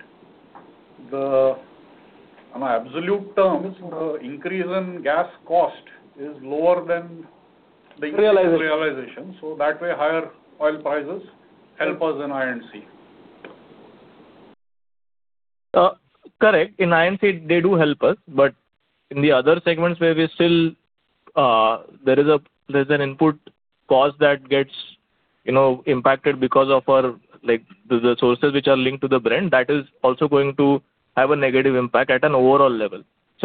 Speaker 6: the, on absolute terms, increase in gas cost is lower than.
Speaker 5: Realization.
Speaker 6: realization, so that way higher oil prices help us in I&C.
Speaker 16: Correct. In I&C they do help us, but in the other segments where we still, there's an input cost that gets, you know, impacted because of our, like, the sources which are linked to the Brent, that is also going to have a negative impact at an overall level.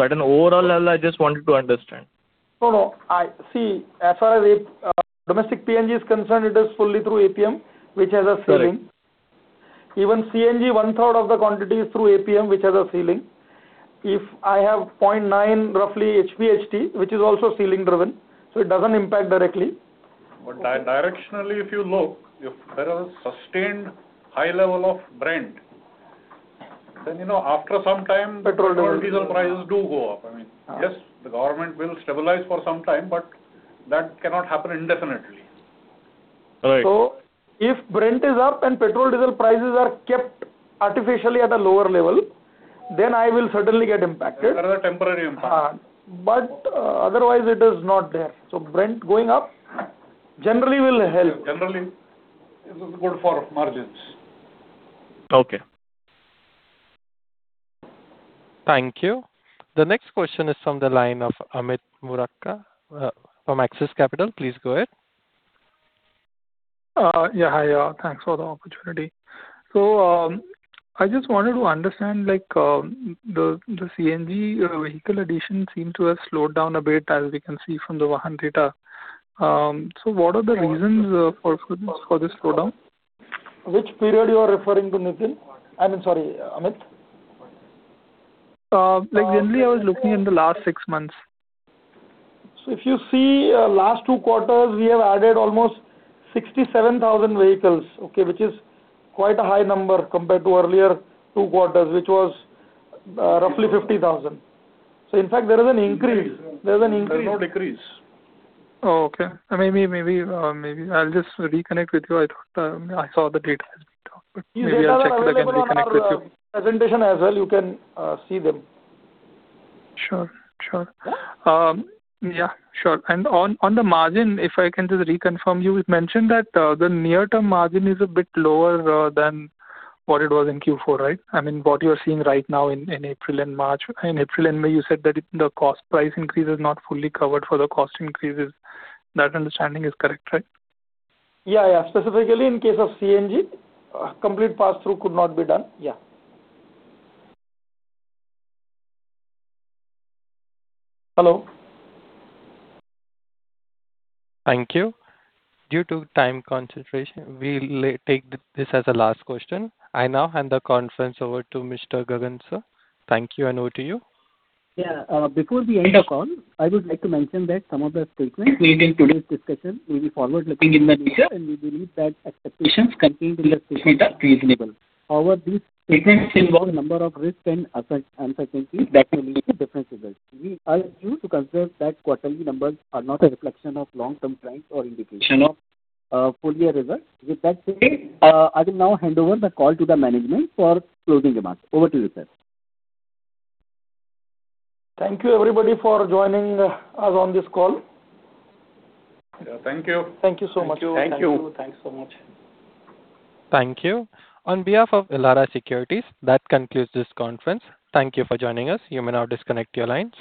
Speaker 16: At an overall level, I just wanted to understand.
Speaker 5: No, no. I see, as far as domestic PNG is concerned, it is fully through APM, which has a ceiling.
Speaker 16: Correct.
Speaker 5: Even CNG, one-third of the quantity is through APM, which has a ceiling. If I have 0.9 roughly HPHT, which is also ceiling driven, it doesn't impact directly.
Speaker 6: Directionally, if you look, if there is a sustained high level of Brent, then, you know, after some time.
Speaker 5: Petrol, diesel.
Speaker 6: petrol, diesel prices do go up. I mean. Yes, the government will stabilize for some time, but that cannot happen indefinitely.
Speaker 16: Right.
Speaker 5: If Brent is up and petrol, diesel prices are kept artificially at a lower level, then I will certainly get impacted.
Speaker 6: That is a temporary impact.
Speaker 5: Otherwise it is not there. Brent going up generally will help.
Speaker 6: Generally, this is good for margins.
Speaker 16: Okay.
Speaker 1: Thank you. The next question is from the line of Amit Murarka, from Axis Capital. Please go ahead.
Speaker 10: Yeah. Hi. Thanks for the opportunity. I just wanted to understand, like, the CNG vehicle addition seem to have slowed down a bit as we can see from the Vahan data. What are the reasons for this slowdown?
Speaker 5: Which period you are referring to, Nitin? I mean, sorry, Amit.
Speaker 10: Like generally I was looking in the last six months.
Speaker 5: If you see, last 2 quarters, we have added almost 67,000 vehicles, okay? Which is quite a high number compared to earlier 2 quarters, which was, roughly 50,000. In fact, there is an increase.
Speaker 6: Increase.
Speaker 5: There is an increase.
Speaker 6: There's no decrease.
Speaker 10: Oh, okay. Maybe I'll just reconnect with you. I thought I saw the data. Maybe I'll check it again and reconnect with you.
Speaker 5: These data are available on our presentation as well. You can see them.
Speaker 10: Sure, sure.
Speaker 5: Yeah.
Speaker 10: Yeah, sure. On, on the margin, if I can just reconfirm, you mentioned that the near term margin is a bit lower than what it was in Q4, right? What you are seeing right now in April and March. In April and May, you said that the cost price increase is not fully covered for the cost increases. That understanding is correct, right?
Speaker 5: Yeah, yeah. Specifically in case of CNG, complete pass-through could not be done. Yeah. Hello.
Speaker 1: Thank you. Due to time constraints, we'll take this as the last question. I now hand the conference over to Mr. Gagan sir. Thank you, and over to you.
Speaker 2: Yeah. Before we end the call, I would like to mention that some of the statements made in today's discussion may be forward-looking in nature, and we believe that expectations contained in such statements are reasonable. However, these statements involve a number of risks and uncertainties that could lead to different results. We urge you to consider that quarterly numbers are not a reflection of long-term trends or indication of full year results. With that said, I will now hand over the call to the management for closing remarks. Over to you, sir.
Speaker 5: Thank you everybody for joining us on this call.
Speaker 6: Yeah. Thank you.
Speaker 5: Thank you so much.
Speaker 6: Thank you.
Speaker 5: Thank you. Thanks so much.
Speaker 1: Thank you. On behalf of Elara Securities, that concludes this conference. Thank you for joining us. You may now disconnect your lines.